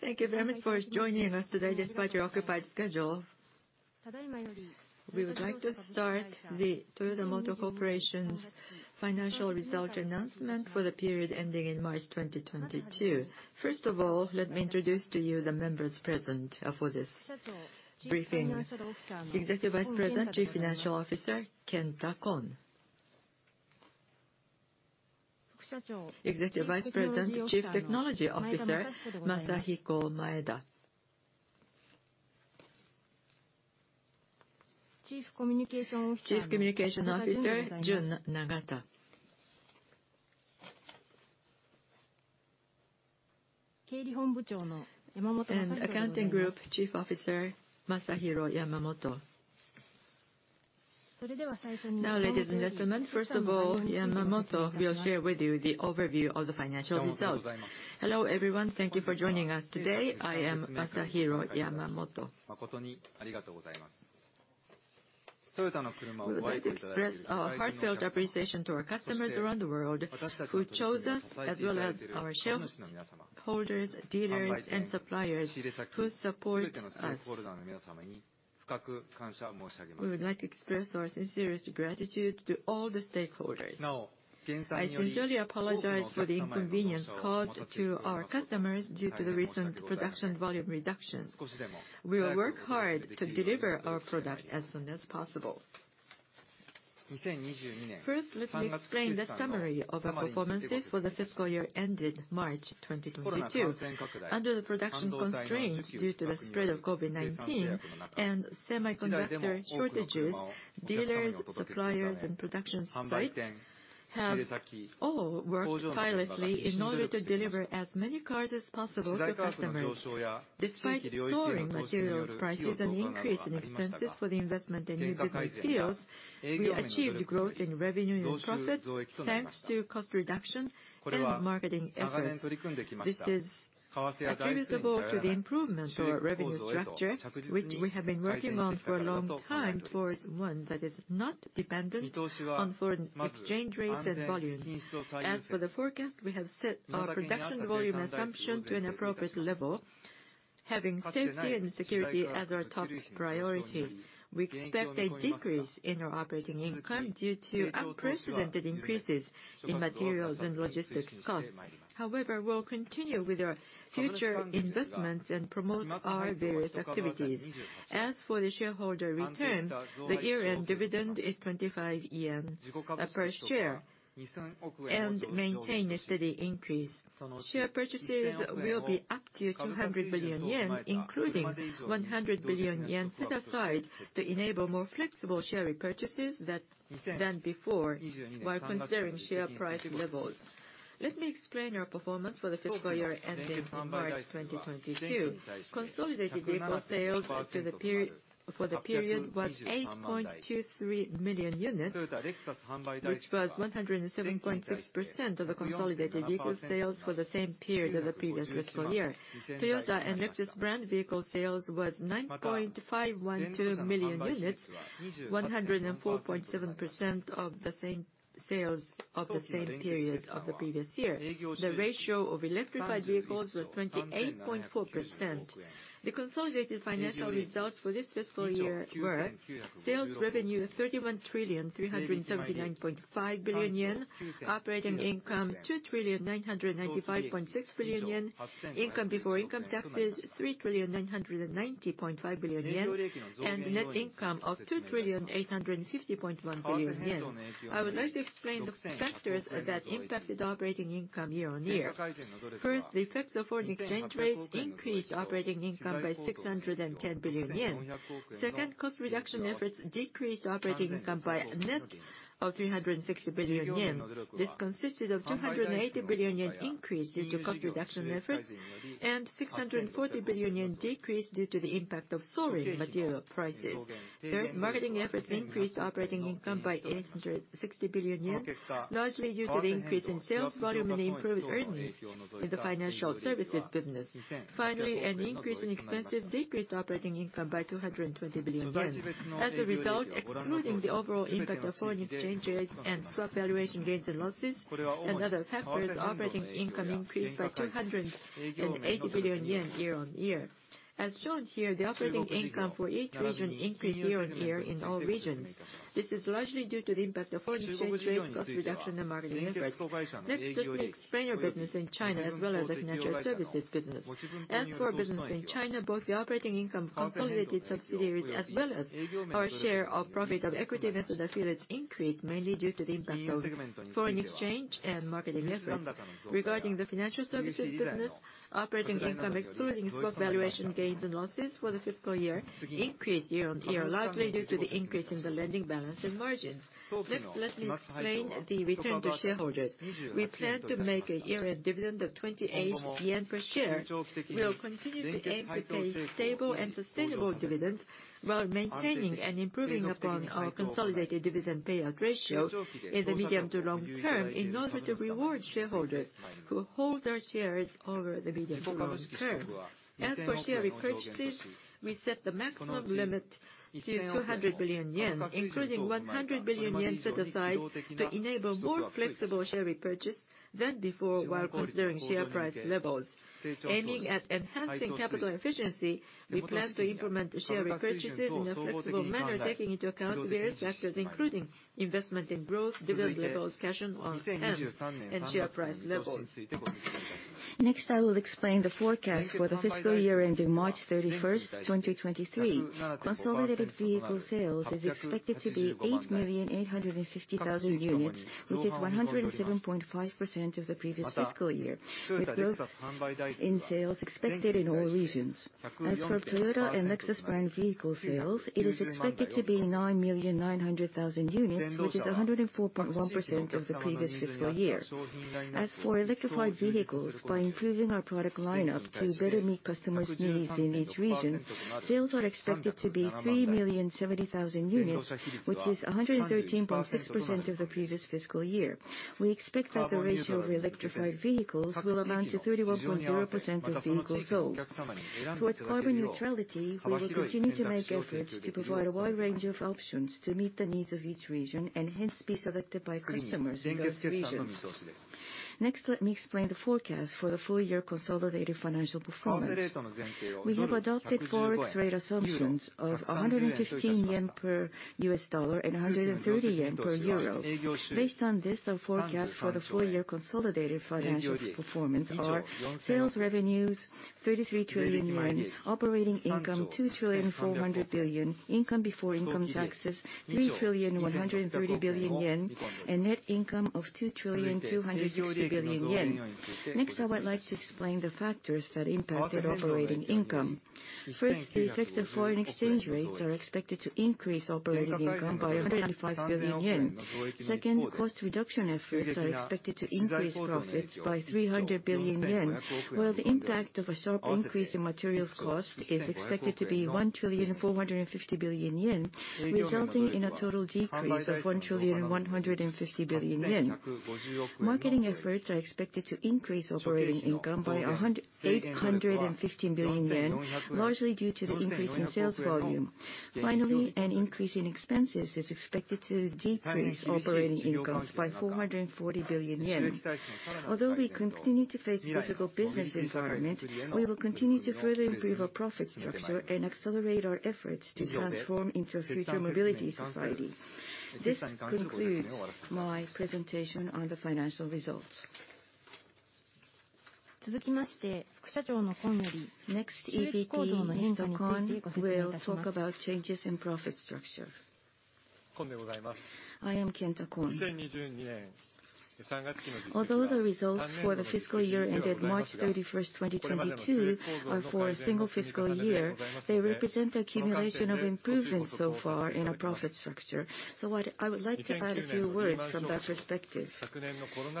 Thank you very much for joining us today despite your occupied schedule. We would like to start the Toyota Motor Corporation's financial result announcement for the period ending in March 2022. First of all, let me introduce to you the members present for this briefing. Executive Vice President, Chief Financial Officer, Kenta Kon. Executive Vice President, Chief Technology Officer, Masahiko Maeda. Chief Communication Officer, Jun Nagata. Accounting Group Chief Officer, Masahiro Yamamoto. Now, ladies and gentlemen, first of all, Yamamoto will share with you the overview of the financial results. Hello, everyone. Thank you for joining us today. I am Masahiro Yamamoto. We would like to express our heartfelt appreciation to our customers around the world who chose us, as well as our shareholders, dealers, and suppliers who support us. We would like to express our sincerest gratitude to all the stakeholders. I sincerely apologize for the inconvenience caused to our customers due to the recent production volume reductions. We will work hard to deliver our product as soon as possible. First, let me explain the summary of our performances for the fiscal year ended March 2022. Under the production constraints due to the spread of COVID-19 and semiconductor shortages, dealers, suppliers, and production sites have all worked tirelessly in order to deliver as many cars as possible to customers. Despite soaring materials prices and increase in expenses for the investment in new business fields, we achieved growth in revenue and profits thanks to cost reduction and marketing efforts. This is attributable to the improvement of our revenue structure, which we have been working on for a long time towards one that is not dependent on foreign exchange rates and volumes. As for the forecast, we have set our production volume assumption to an appropriate level, having safety and security as our top priority. We expect a decrease in our operating income due to unprecedented increases in materials and logistics costs. However, we'll continue with our future investments and promote our various activities. As for the shareholder return, the year-end dividend is 25 yen per share and maintain a steady increase. Share purchases will be up to 200 billion yen, including 100 billion yen set aside to enable more flexible share repurchases than before, while considering share price levels. Let me explain our performance for the fiscal year ending in March 2022. Consolidated vehicle sales for the period was 8.23 million units, which was 107.6% of the consolidated vehicle sales for the same period of the previous fiscal year. Toyota and Lexus brand vehicle sales was 9.512 million units, 104.7% of the same sales of the same period of the previous year. The ratio of electrified vehicles was 28.4%. The consolidated financial results for this fiscal year were sales revenue 31,379.5 billion yen, operating income 2,995.6 billion yen, income before income taxes 3,990.5 billion yen, and net income of 2,850.1 billion yen. I would like to explain the factors that impacted operating income year on year. First, the effects of foreign exchange rates increased operating income by 610 billion yen. Second, cost reduction efforts decreased operating income by a net of 360 billion yen. This consisted of 280 billion yen increase due to cost reduction efforts and 640 billion yen decrease due to the impact of soaring material prices. Third, marketing efforts increased operating income by 860 billion yen, largely due to the increase in sales volume and improved earnings in the financial services business. Finally, an increase in expenses decreased operating income by 220 billion yen. As a result, excluding the overall impact of foreign exchange rates and swap valuation gains and losses and other factors, operating income increased by 280 billion yen year-on-year. As shown here, the operating income for each region increased year-on-year in all regions. This is largely due to the impact of foreign exchange rates, cost reduction, and marketing efforts. Next, let me explain our business in China as well as the financial services business. As for our business in China, both the operating income of consolidated subsidiaries as well as our share of profit of equity methods affiliates increased mainly due to the impact of foreign exchange and marketing efforts. Regarding the financial services business, operating income excluding swap valuation gains and losses for the fiscal year increased year-on-year, largely due to the increase in the lending balance and margins. Next, let me explain the return to shareholders. We plan to make a year-end dividend of 28 yen per share. We will continue to aim to pay stable and sustainable dividends while maintaining and improving upon our consolidated dividend payout ratio in the medium to long term in order to reward shareholders who hold our shares over the medium to long term. As for share repurchases, we set the maximum limit to 200 billion yen, including 100 billion yen set aside to enable more flexible share repurchase than before while considering share price levels. Aiming at enhancing capital efficiency, we plan to implement the share repurchases in a flexible manner, taking into account various factors, including investment in growth, dividend levels, cash on hand, and share price levels. Next, I will explain the forecast for the fiscal year ending March 31, 2023. Consolidated vehicle sales is expected to be 8,850,000 units, which is 107.5% of the previous fiscal year, with growth in sales expected in all regions. As for Toyota and Lexus brand vehicle sales, it is expected to be 9,900,000 units, which is 104.1% of the previous fiscal year. As for electrified vehicles, by improving our product lineup to better meet customers' needs in each region, sales are expected to be 3,070,000 units, which is 113.6% of the previous fiscal year. We expect that the ratio of electrified vehicles will amount to 31.0% of vehicles sold. Towards carbon neutrality, we will continue to make efforts to provide a wide range of options to meet the needs of each region and hence, be selected by customers in those regions. Next, let me explain the forecast for the full year consolidated financial performance. We have adopted forex rate assumptions of 115 yen per U.S. dollar and 130 yen per euro. Based on this, our forecast for the full year consolidated financial performance are sales revenues, JPY 33 trillion, operating income, 2.4 trillion, income before income taxes, 3.13 trillion, and net income of 2.26 trillion. Next, I would like to explain the factors that impacted operating income. First, the effects of foreign exchange rates are expected to increase operating income by 105 billion yen. Second, cost reduction efforts are expected to increase profits by 300 billion yen, while the impact of a sharp increase in materials cost is expected to be 1.45 trillion, resulting in a total decrease of 1.15 trillion. Marketing efforts are expected to increase operating income by 815 billion yen, largely due to the increase in sales volume. Finally, an increase in expenses is expected to decrease operating income by 440 billion yen. Although we continue to face difficult business environment, we will continue to further improve our profit structure and accelerate our efforts to transform into a future mobility society. This concludes my presentation on the financial results. Next, EVP Kenta Kon will talk about changes in profit structure. I am Kenta Kon. Although the results for the fiscal year ended March 31, 2022 are for a single fiscal year, they represent the accumulation of improvements so far in our profit structure. I would like to add a few words from that perspective.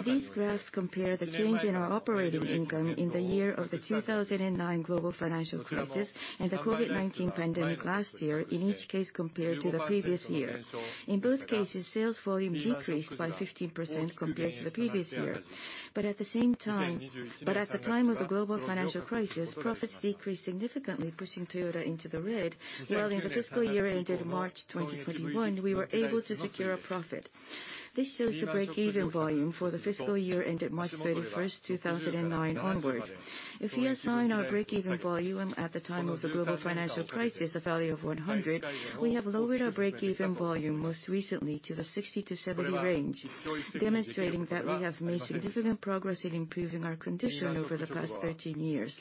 These graphs compare the change in our operating income in the year of the 2009 global financial crisis and the COVID-19 pandemic last year, in each case, compared to the previous year. In both cases, sales volume decreased by 15% compared to the previous year. At the same time, at the time of the global financial crisis, profits decreased significantly, pushing Toyota into the red, while in the fiscal year ended March 2021, we were able to secure a profit. This shows the break-even volume for the fiscal year ended March 31, 2009 onward. If we assign our break-even volume at the time of the global financial crisis a value of 100, we have lowered our break-even volume most recently to the 60-70 range, demonstrating that we have made significant progress in improving our condition over the past 13 years.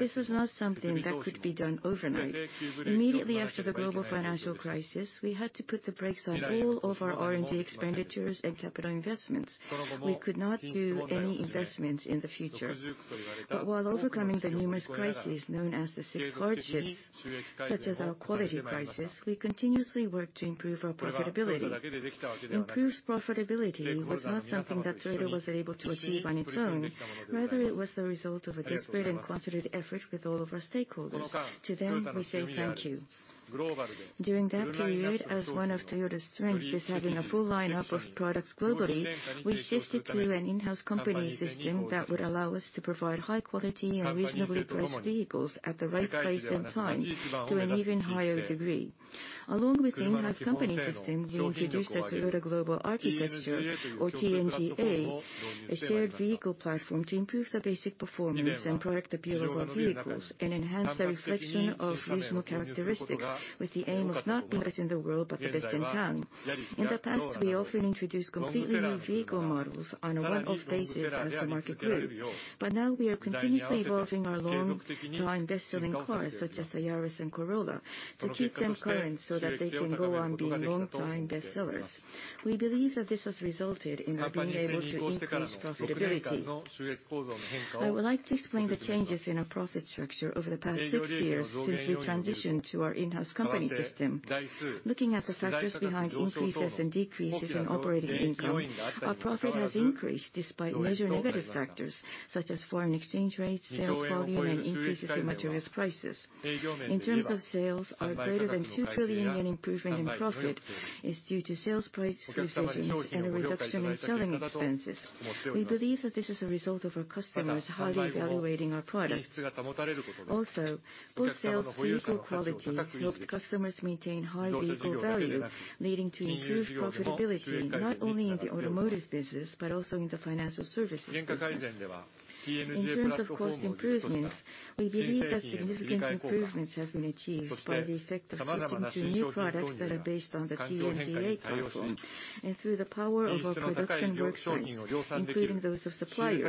This was not something that could be done overnight. Immediately after the global financial crisis, we had to put the brakes on all of our R&D expenditures and capital investments. We could not do any investments in the future. While overcoming the numerous crises known as the Six Hardships, such as our quality crisis, we continuously worked to improve our profitability. Improved profitability was not something that Toyota was able to achieve on its own. Rather, it was the result of a great and concerted effort with all of our stakeholders. To them, we say thank you. During that period, as one of Toyota's strengths is having a full lineup of products globally, we shifted to an in-house company system that would allow us to provide high quality and reasonably priced vehicles at the right place and time to an even higher degree. Along with in-house company system, we introduced a Toyota New Global Architecture, or TNGA, a shared vehicle platform to improve the basic performance and product appeal of our vehicles and enhance their reflection of regional characteristics with the aim of not being best-in-town in the world, but the best-in-town. In the past, we often introduced completely new vehicle models on a one-off basis as the market grew. Now we are continuously evolving our long-time best-selling cars, such as the Yaris and Corolla, to keep them current so that they can go on being long-time best sellers. We believe that this has resulted in our being able to increase profitability. I would like to explain the changes in our profit structure over the past six years since we transitioned to our in-house company system. Looking at the factors behind increases and decreases in operating income, our profit has increased despite major negative factors such as foreign exchange rates, sales volume, and increases in materials prices. In terms of sales greater than 2 trillion yen, an improvement in profit is due to sales price increases and a reduction in selling expenses. We believe that this is a result of our customers highly evaluating our products. Also, both sales volume and quality helped customers maintain high vehicle value, leading to improved profitability, not only in the automotive business, but also in the financial services business. In terms of cost improvements, we believe that significant improvements have been achieved by the effect of switching to new products that are based on the TNGA platform and through the power of our production workforce, including those of suppliers,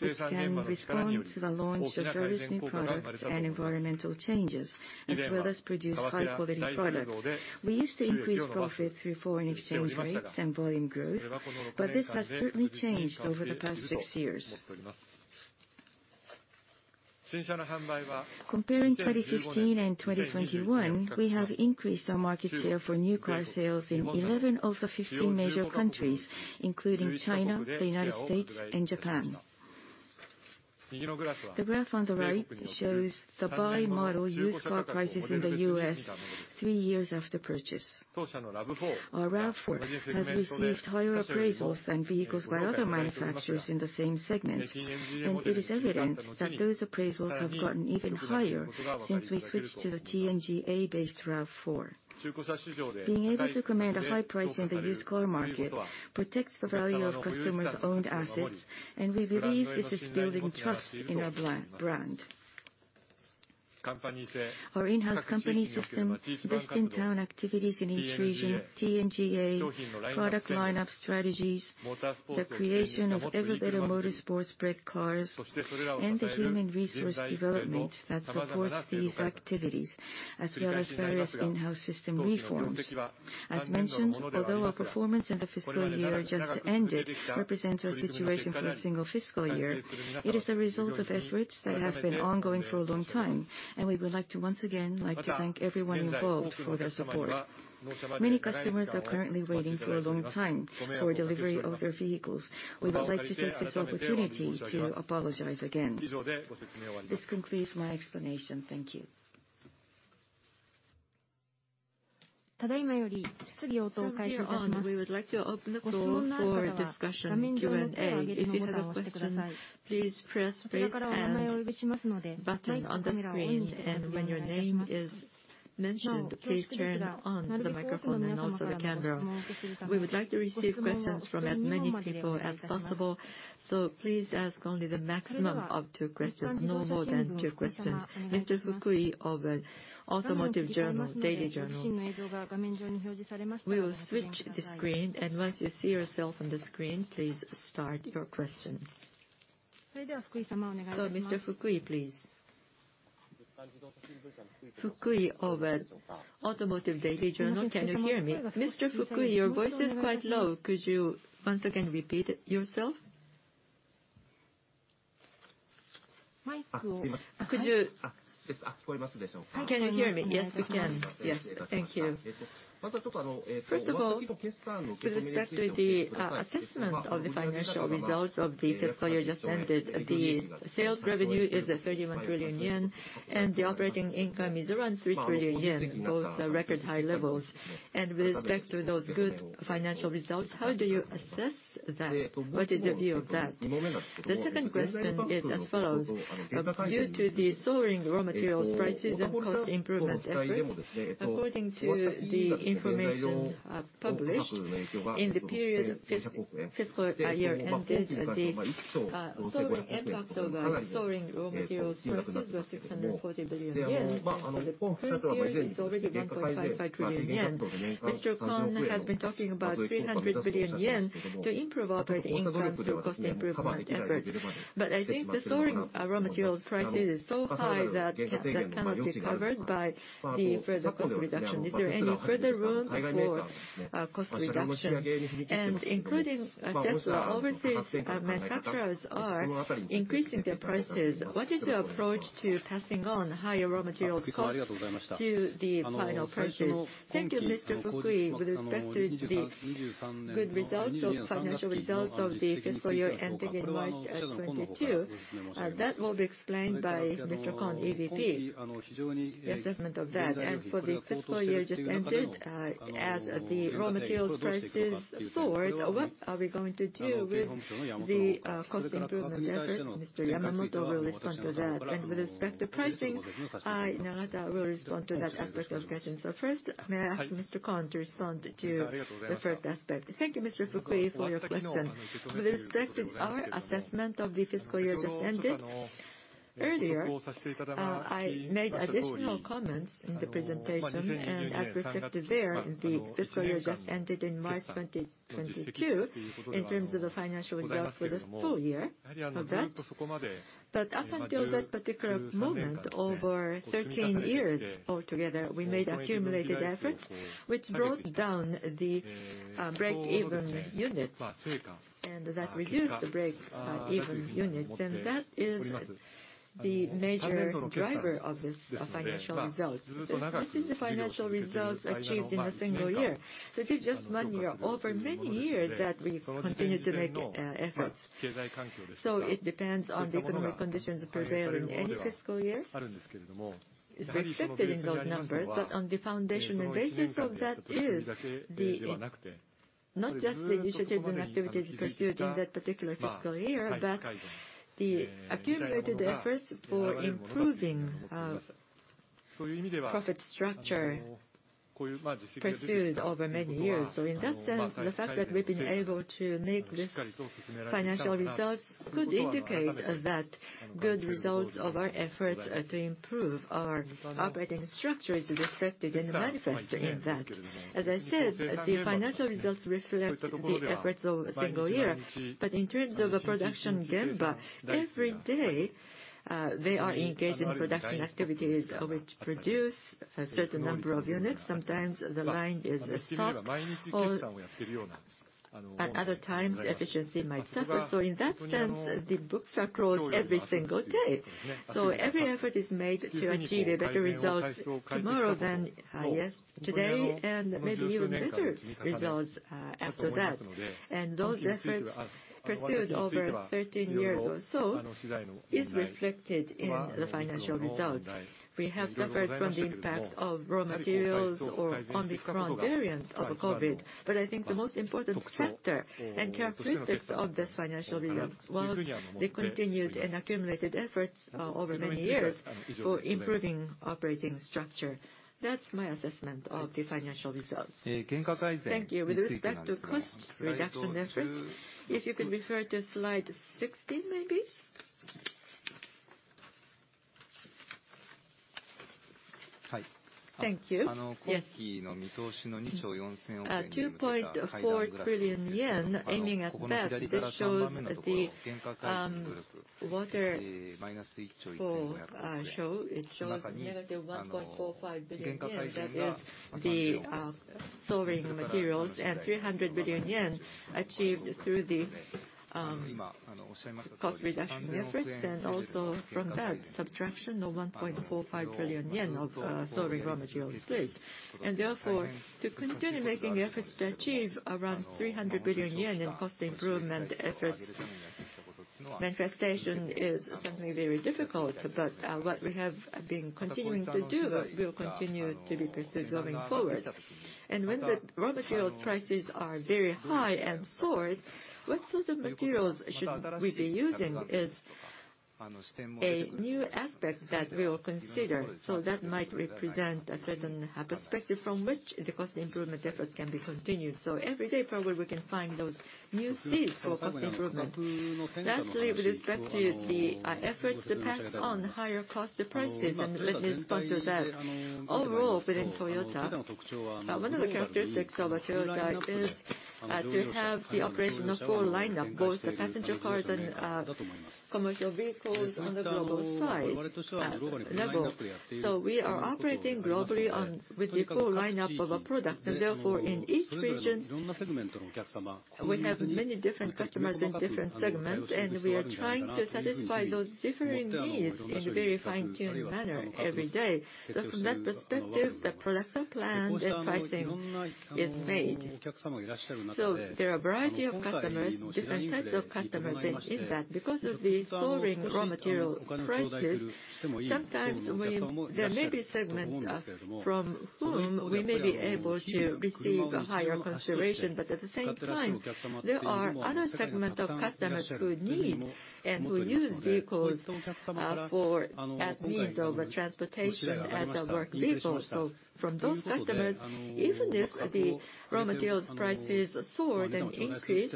which can respond to the launch of various new products and environmental changes, as well as produce high-quality products. We used to increase profit through foreign exchange rates and volume growth, but this has certainly changed over the past six years. Comparing 2015 and 2021, we have increased our market share for new car sales in 11 of the 15 major countries, including China, the United States and Japan. The graph on the right shows the by-model used car prices in the U.S. three years after purchase. Our RAV4 has received higher appraisals than vehicles by other manufacturers in the same segment, and it is evident that those appraisals have gotten even higher since we switched to the TNGA-based RAV4. Being able to command a high price in the used car market protects the value of customers' owned assets, and we believe this is building trust in our brand. Our in-house company system, best-in-town activities in each region, TNGA, product lineup strategies, the creation of ever better motorsports-bred cars and the human resource development that supports these activities, as well as various in-house system reforms. As mentioned, although our performance in the fiscal year just ended represents our situation for a single fiscal year, it is the result of efforts that have been ongoing for a long time, and we would like to once again thank everyone involved for their support. Many customers are currently waiting for a long time for delivery of their vehicles. We would like to take this opportunity to apologize again. This concludes my explanation. Thank you. From here on, we would like to open the floor for discussion, Q&A. If you have a question, please press the hand button on the screen, and when your name is mentioned, please turn on the microphone and also the camera. We would like to receive questions from as many people as possible, so please ask only the maximum of two questions, no more than two questions. Mr. Fukui of Automotive Journal, Daily Journal. We will switch the screen, and once you see yourself on the screen, please start your question. Mr. Fukui, please. Fukui of Nikkan Jidosha Shimbun. Can you hear me? Mr. Fukui, your voice is quite low. Could you once again repeat yourself? Can you hear me? Yes, we can. Yes. Thank you. First of all, with respect to the assessment of the financial results of the fiscal year just ended, the sales revenue is at 31 trillion yen, and the operating income is around 3 trillion yen, both are record high levels. With respect to those good financial results, how do you assess that? What is your view of that? The second question is as follows. Due to the soaring raw materials prices and cost improvement efforts, according to the information published in the period fiscal year ended, the soaring impact of soaring raw materials prices was JPY 640 billion, and this current year it is already JPY 1.55 trillion. Mr. Kon has been talking about 300 billion yen to improve operating income through cost improvement efforts. I think the soaring raw materials prices is so high that that cannot be covered by the further cost reduction. Is there any further room for cost reduction? Including therefore overseas manufacturers are increasing their prices. What is your approach to passing on higher raw materials costs to the final prices? Thank you, Mr. Fukui. With respect to the good results of financial results of the fiscal year ending in March 2022 that will be explained by Mr. Kenta Kon, EVP. The assessment of that. For the fiscal year just ended as the raw materials prices soared, what are we going to do with the cost improvement efforts? Mr. Masahiro Yamamoto will respond to that. With respect to pricing, I, Jun Nagata, will respond to that aspect of the question. First, may I ask Mr. Kon to respond to the first aspect. Thank you, Mr. Fukui, for your question. With respect to our assessment of the fiscal year just ended, earlier, I made additional comments in the presentation. As reflected there, the fiscal year just ended in March 2022 in terms of the financial results for the full year of that. Up until that particular moment, over 13 years altogether, we made accumulated efforts which brought down the break-even units, and that reduced the break-even units. That is the major driver of financial results. This is the financial results achieved in a single year. It is just one year. Over many years that we continue to make efforts. It depends on the economic conditions prevailing any fiscal year. It's reflected in those numbers. On the foundation and basis of that is the not just the initiatives and activities pursued in that particular fiscal year, but the accumulated efforts for improving profit structure pursued over many years. In that sense, the fact that we've been able to make this financial results could indicate that good results of our efforts to improve our operating structure is reflected and manifested in that. As I said, the financial results reflect the efforts of a single year. In terms of production gemba, every day they are engaged in production activities which produce a certain number of units. Sometimes the line is stopped or at other times efficiency might suffer. In that sense, the books are closed every single day. Every effort is made to achieve better results tomorrow than yes, today, and maybe even better results after that. Those efforts pursued over 13 years or so is reflected in the financial results. We have suffered from the impact of raw materials inflation on the current variant of COVID. I think the most important factor and characteristic of this financial results was the continued and accumulated efforts over many years for improving operating structure. That's my assessment of the financial results. Thank you. With respect to cost reduction efforts, if you could refer to slide 16, maybe. Thank you. Yes. 2.4 trillion yen, aiming at that, this shows the waterfall chart. It shows -1.45 trillion yen. That is the soaring material costs and 300 billion yen achieved through the cost reduction efforts and also from that subtraction of 1.45 trillion yen of soaring raw material costs. Therefore, to continue making efforts to achieve around 300 billion yen in cost improvement efforts, manifestation is certainly very difficult. What we have been continuing to do will continue to be pursued going forward. When the raw materials prices are very high and soared, what sort of materials should we be using is a new aspect that we will consider. That might represent a certain perspective from which the cost improvement efforts can be continued. Every day, probably we can find those new seeds for cost improvement. Lastly, with respect to the efforts to pass on higher cost to prices, let me respond to that. Overall, within Toyota, one of the characteristics of a Toyota is to have the operational full lineup, both the passenger cars and commercial vehicles on the global side level. We are operating globally with the full lineup of a product. Therefore, in each region, we have many different customers in different segments, and we are trying to satisfy those differing needs in a very fine-tuned manner every day. From that perspective, the production plan and pricing is made. There are a variety of customers, different types of customers in that. Because of the soaring raw material prices, sometimes there may be segments from whom we may be able to receive a higher consideration. At the same time, there are other segment of customers who need and who use vehicles for as means of transportation, as a work vehicle. From those customers, even if the raw materials prices soared and increased,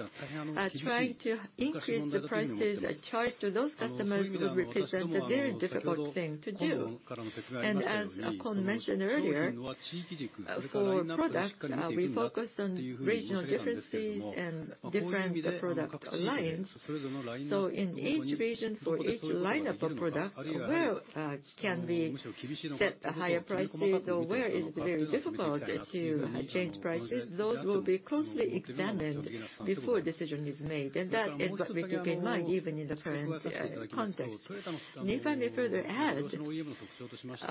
trying to increase the prices charged to those customers would represent a very difficult thing to do. As Kon mentioned earlier, for products, we focus on regional differences and different product lines. In each region, for each lineup of product, where can we set higher prices or where is it very difficult to change prices, those will be closely examined before a decision is made. That is what we keep in mind, even in the current context. If I may further add,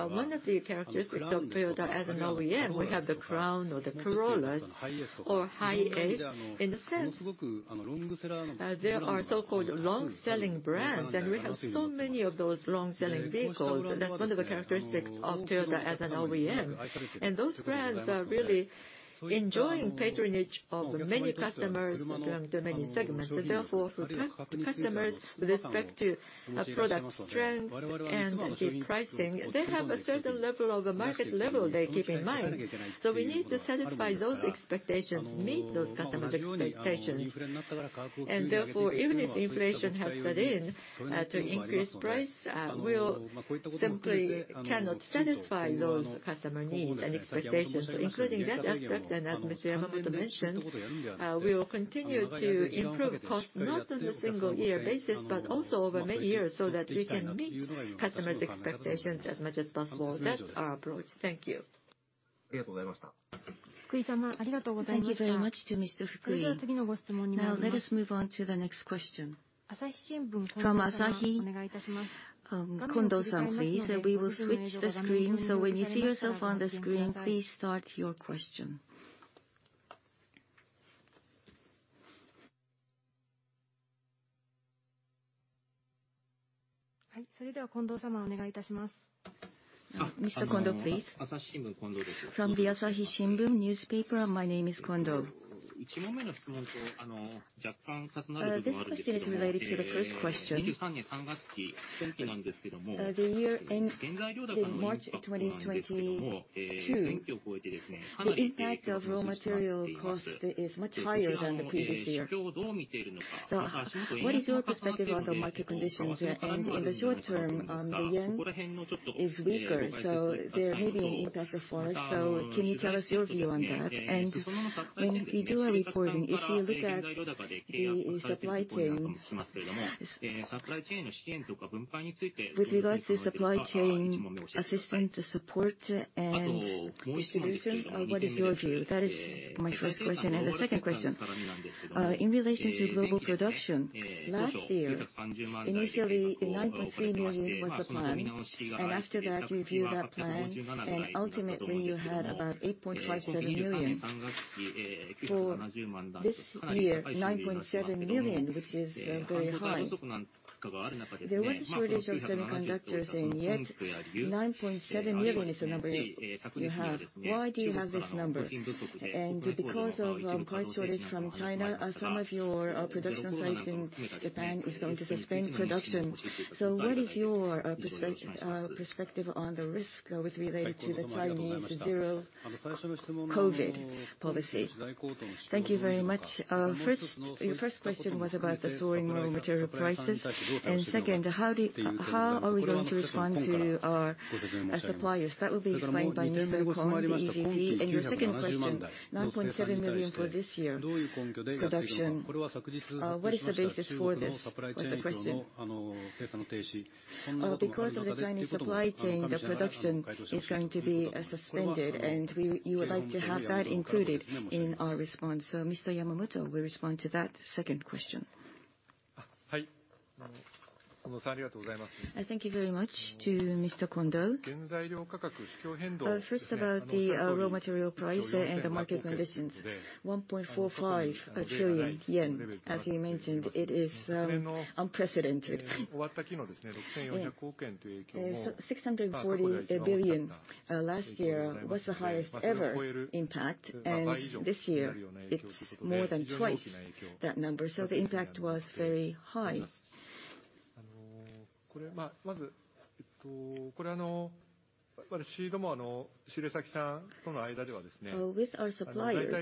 one of the characteristics of Toyota as an OEM, we have the Crown or the Corollas or HiAce in a sense. There are so-called long-selling brands, and we have so many of those long-selling vehicles. That's one of the characteristics of Toyota as an OEM. Those brands are really enjoying patronage of many customers belonging to many segments. Therefore, for customers with respect to product strength and the pricing, they have a certain level of a market level they keep in mind. We need to satisfy those expectations, meet those customers' expectations. Even if inflation has set in to increase price, we simply cannot satisfy those customer needs and expectations. Including that aspect, and as Mr. Yamamoto mentioned, we will continue to improve cost, not on a single year basis, but also over many years, so that we can meet customers' expectations as much as possible. That's our approach. Thank you. Thank you very much to Mr. Fukui. Now let us move on to the next question. From Asahi, Kondo-san, please. We will switch the screen. When you see yourself on the screen, please start your question. Mr. Kondo, please. From the Asahi Shimbun newspaper, my name is Kondo. This question is related to the first question. The year end, in March 2022, the impact of raw material cost is much higher than the previous year. What is your perspective on the market conditions? In the short term, the yen is weaker, so they're hitting in terms of foreign. Can you tell us your view on that? When you do a reporting, if you look at the supply chain. With regards to supply chain assistance, support and distribution, what is your view? That is my first question. The second question, in relation to global production, last year, initially 9.3 million was the plan. After that, you reviewed that plan, and ultimately you had about 8.57 million. For this year, 9.7 million, which is very high. There was a shortage of semiconductors, and yet 9.7 million is the number you have. Why do you have this number? Because of car shortage from China, are some of your production sites in Japan is going to suspend production. What is your perspective on the risk with related to the Chinese zero-COVID policy? Thank you very much. First, your first question was about the soaring raw material prices. Second, how are we going to respond to our suppliers? That will be explained by Mr. Kondo and the EVP. Your second question, 9.7 million for this year production, what is the basis for this, was the question. Because of the Chinese supply chain, the production is going to be suspended, and you would like to have that included in our response. Mr. Yamamoto will respond to that second question. Thank you very much to Mr. Kondo. First about the raw material price and the market conditions. 1.45 trillion yen, as you mentioned, it is unprecedented. 640 billion last year was the highest ever impact. This year it's more than twice that number. The impact was very high with our suppliers. With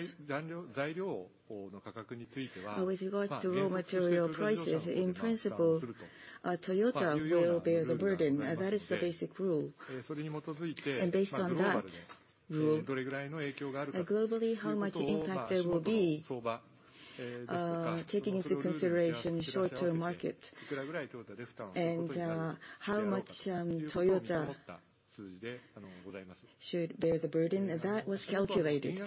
regards to raw material prices, in principle, Toyota will bear the burden. That is the basic rule. Based on that rule, globally, how much impact there will be, taking into consideration short-term market. How much Toyota should bear the burden. That was calculated.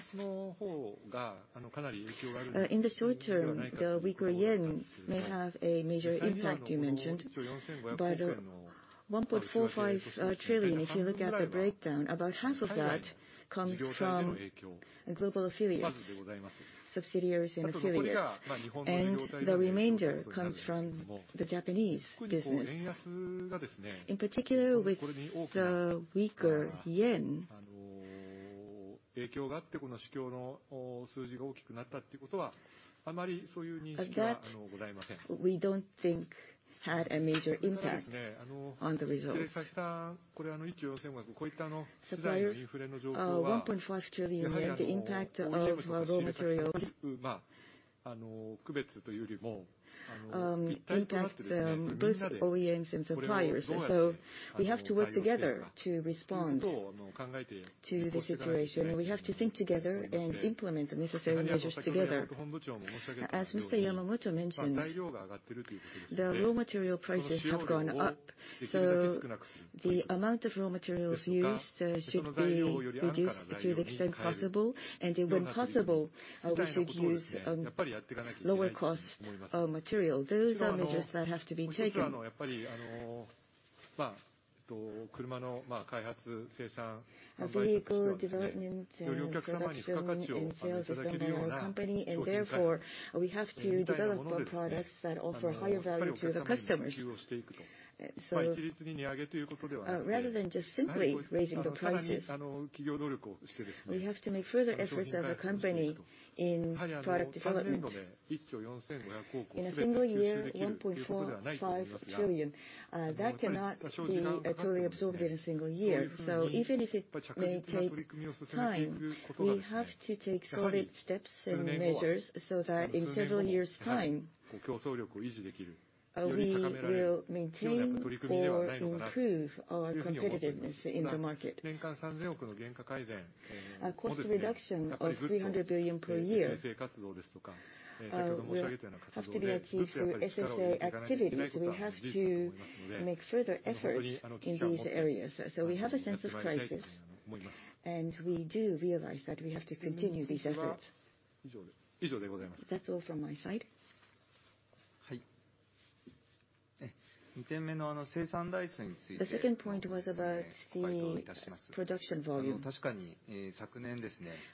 In the short term, the weaker yen may have a major impact, you mentioned. 1.45 trillion, if you look at the breakdown, about half of that comes from global affiliates, subsidiaries and affiliates. The remainder comes from the Japanese business. In particular, with the weaker yen. That we don't think had a major impact on the results. Suppliers, JPY 1.5 trillion, the impact of raw materials. Impacts both OEMs and suppliers. We have to work together to respond to the situation, and we have to think together and implement the necessary measures together. As Mr. Yamamoto mentioned, the raw material prices have gone up, so the amount of raw materials used should be reduced to the extent possible. When possible, we should use lower cost material. Those are measures that have to be taken. A vehicle development and production and sales is from our company, and therefore, we have to develop the products that offer higher value to the customers. Rather than just simply raising the prices. We have to make further efforts as a company in product development. In a single year, 1.45 trillion. That cannot be totally absorbed in a single year. Even if it may take time, we have to take solid steps and measures so that in several years' time, we will maintain or improve our competitiveness in the market. A cost reduction of 300 billion per year will have to be achieved through SSA activities. We have to make further efforts in these areas. We have a sense of crisis, and we do realize that we have to continue these efforts. That's all from my side. The second point was about the production volume.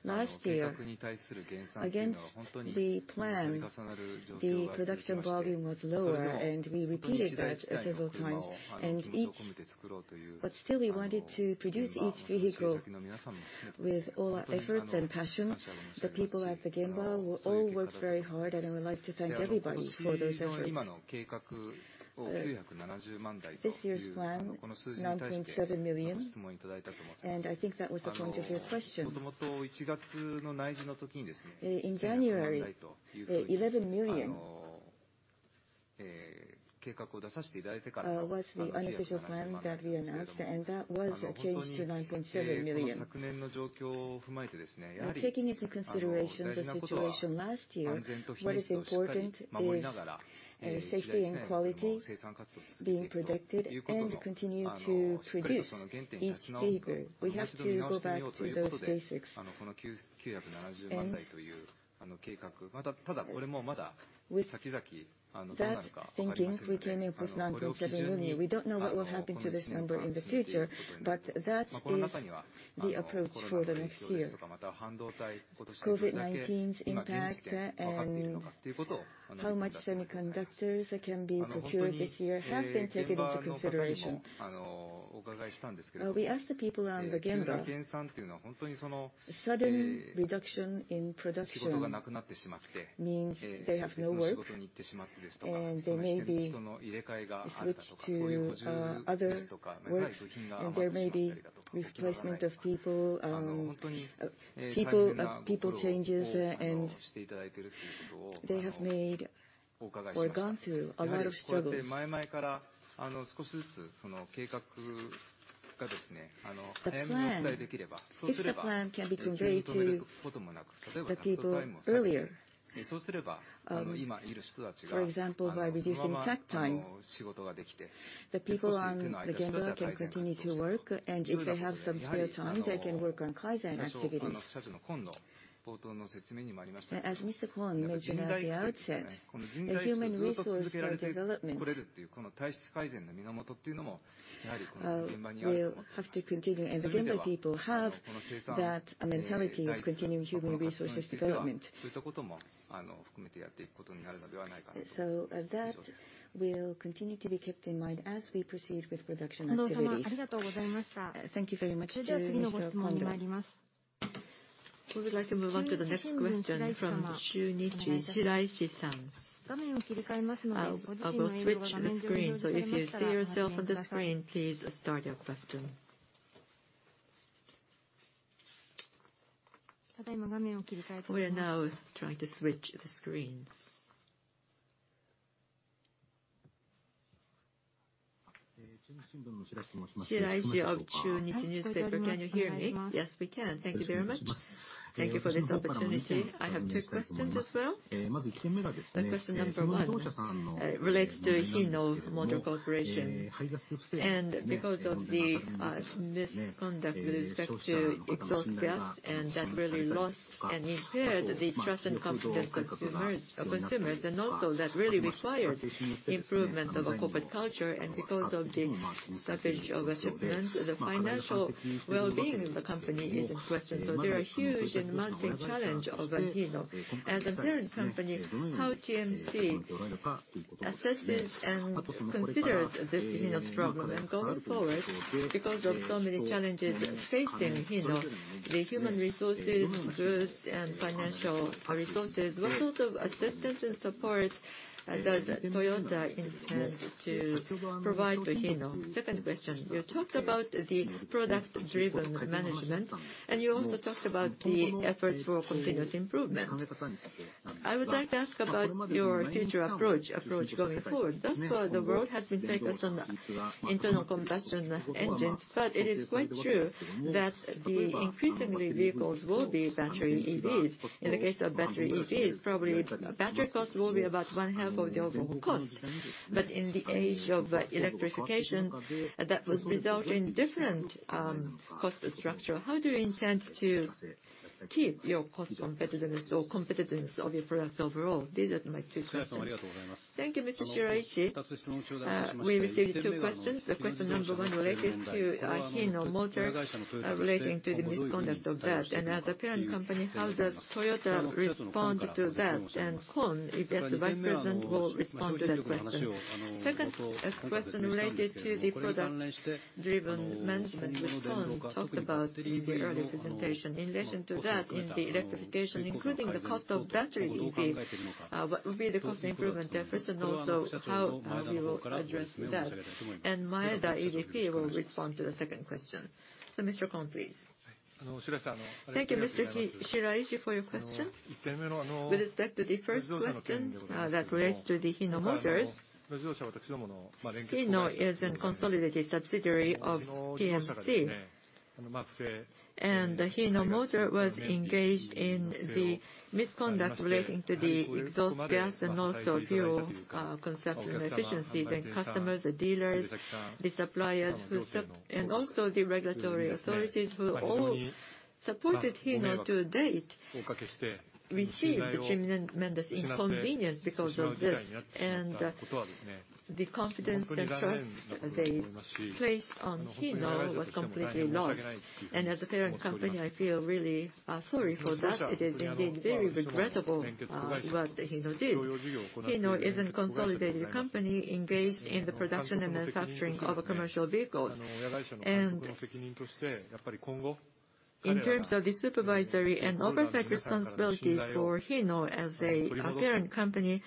Last year, against the plan, the production volume was lower, and we repeated that several times. We wanted to produce each vehicle with all our efforts and passion. The people at the gemba all worked very hard, and I would like to thank everybody for those efforts. This year's plan, 9.7 million, and I think that was the point of your question. In January, 1.1 million was the unofficial plan that we announced, and that was changed to 9.7 million. Taking into consideration the situation last year, what is important is safety and quality being protected and continue to produce each vehicle. We have to go back to those basics. With that thinking, we came up with 9.7 million. We don't know what will happen to this number in the future, but that is the approach for the next year. COVID-19's impact and how much semiconductors can be procured this year have been taken into consideration. We asked the people on the gemba. A sudden reduction in production means they have no work, and they may be switched to other work, and there may be replacement of people changes, and they have made or gone through a lot of struggles. The plan, if the plan can be conveyed to the people earlier, for example, by reducing takt time, the people on the gemba can continue to work, and if they have some spare time, they can work on kaizen activities. As Mr. Kon mentioned at the outset, human resource development will have to continue, and the gemba people have that mentality of continuing human resource development. That will continue to be kept in mind as we proceed with production activities. Thank you very much to Mr. Kondo. We would like to move on to the next question from Chunichi Shimbun, Shiraishi-san. I'll go switch the screen. If you see yourself on the screen, please start your question. We are now trying to switch the screen. Shiraishi of Chunichi Shimbun. Can you hear me? Yes, we can. Thank you very much. Thank you for this opportunity. I have two questions as well. Question number one relates to Hino Motors. Because of the misconduct with respect to exhaust gas, and that really lost and impaired the trust and confidence of consumers, and also that really required improvement of a corporate culture. Because of the stoppage of shipments, the financial well-being of the company is in question. There are huge and mounting challenge over Hino. As a parent company, how TMC assesses and considers this Hino struggle and going forward, because of so many challenges facing Hino, the human resources, goods, and financial resources, what sort of assistance and support does Toyota intend to provide to Hino? Second question. You talked about the product-driven management, and you also talked about the efforts for continuous improvement. I would like to ask about your future approach going forward. Thus far, the world has been focused on internal combustion engines, but it is quite true that increasingly vehicles will be battery EVs. In the case of battery EVs, probably battery cost will be about one half of the overall cost. But in the age of electrification, that would result in different cost structure. How do you intend to keep your cost competitiveness or competitiveness of your products overall? These are my two questions. Thank you, Mr. Shiraishi. We received two questions. The question number one related to Hino Motors, relating to the misconduct of that. As a parent company, how does Toyota respond to that? Kon, I guess the vice president, will respond to that question. Second, a question related to the product-driven management, which Kon talked about in the earlier presentation. In relation to that, in the electrification, including the cost of battery EV, what will be the cost improvement efforts and also how we will address that? Maeda, EVP will respond to the second question. Mr. Kon, please. Thank you, Mr. Shiraishi, for your question. With respect to the first question, that relates to the Hino Motors, Hino is a consolidated subsidiary of TMC. The Hino Motors was engaged in the misconduct relating to the exhaust gas and also fuel consumption efficiency. The customers, the dealers, the suppliers and also the regulatory authorities who all supported Hino to date received a tremendous inconvenience because of this. The confidence and trust they placed on Hino was completely lost. As a parent company, I feel really sorry for that. It is indeed very regrettable what Hino did. Hino is a consolidated company engaged in the production and manufacturing of commercial vehicles. In terms of the supervisory and oversight responsibility for Hino as a parent company,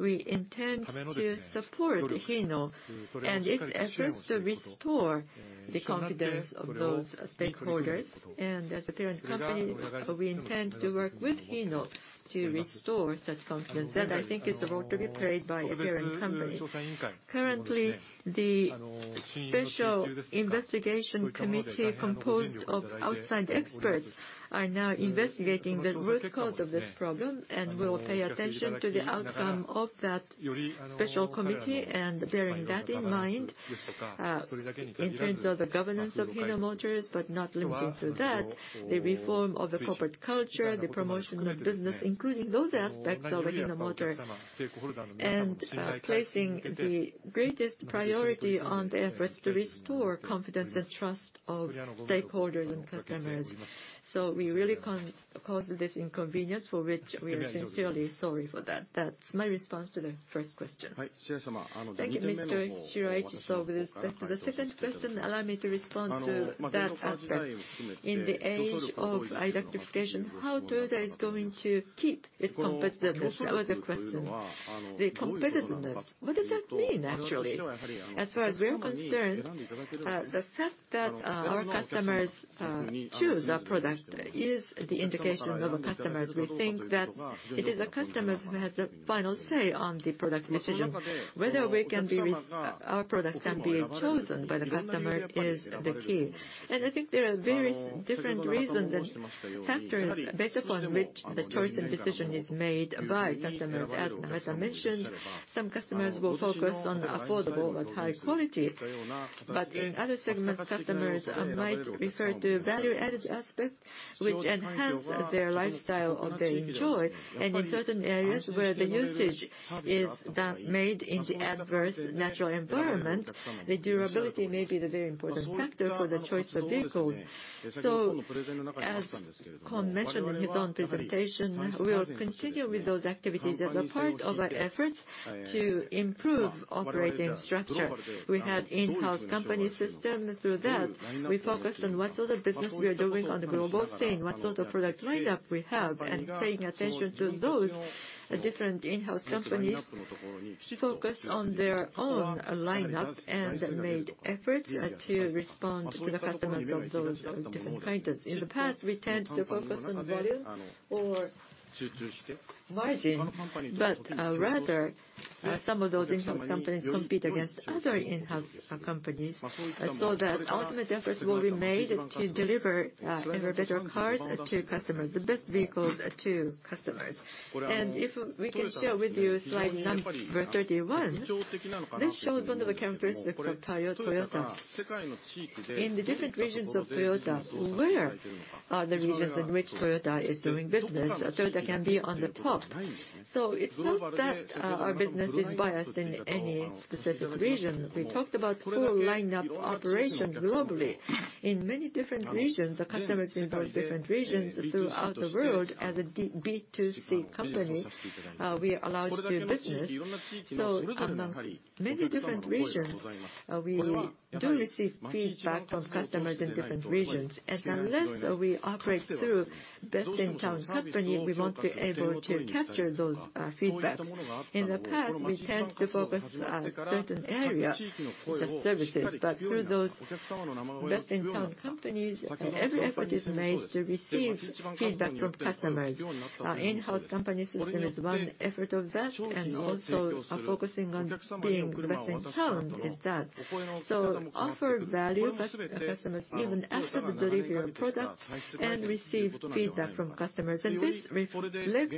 we intend to support Hino and its efforts to restore the confidence of those stakeholders. As a parent company, we intend to work with Hino to restore such confidence. That, I think, is the role to be played by a parent company. Currently, the special investigation committee composed of outside experts are now investigating the root cause of this problem, and we'll pay attention to the outcome of that special committee. Bearing that in mind, in terms of the governance of Hino Motors, but not limited to that, the reform of the corporate culture, the promotion of business, including those aspects of Hino Motors, and placing the greatest priority on the efforts to restore confidence and trust of stakeholders and customers. We really caused this inconvenience, for which we are sincerely sorry for that. That's my response to the first question. Thank you, Mr. Shiraishi. With that, the second question, allow me to respond to that aspect. In the age of electrification, how Toyota is going to keep its competitiveness? That was the question. The competitiveness, what does that mean, actually? As far as we are concerned, the fact that our customers choose our product is the indication of customers. We think that it is the customers who has the final say on the product decision. Our products can be chosen by the customer is the key. I think there are various different reasons and factors based upon which the choice and decision is made by customers. As I mentioned, some customers will focus on the affordable but high quality. In other segments, customers might refer to value-added aspects which enhance their lifestyle or their enjoyment. In certain areas where the usage is made in the adverse natural environment, the durability may be the very important factor for the choice of vehicles. As Kon mentioned in his own presentation, we'll continue with those activities as a part of our efforts to improve operating structure. We have in-house company system. Through that, we focus on what sort of business we are doing on the global scene, what sort of product lineup we have. Paying attention to those, different in-house companies focused on their own lineup and made efforts to respond to the customers of those, of different kinds. In the past, we tend to focus on the volume or margin, but rather, some of those in-house companies compete against other in-house companies. So that ultimate efforts will be made to deliver ever better cars to customers, the best vehicles to customers. If we can share with you slide number 31, this shows one of the characteristics of Toyota. In the different regions of Toyota, where are the regions in which Toyota is doing business? Toyota can be on the top. It's not that our business is biased in any specific region. We talked about full lineup operation globally. In many different regions, the customers in those different regions throughout the world as a B2C company, we are allowed to do business. Amongst many different regions, we do receive feedback from customers in different regions. Unless we operate through best-in-town company, we won't be able to capture those feedbacks. In the past, we tend to focus a certain area, the services. Through those best-in-town companies, every effort is made to receive feedback from customers. Our in-house company system is one effort of that, and also, focusing on being the best-in-town is that. Offer value, customers give an asset, deliver your products, and receive feedback from customers. This reflects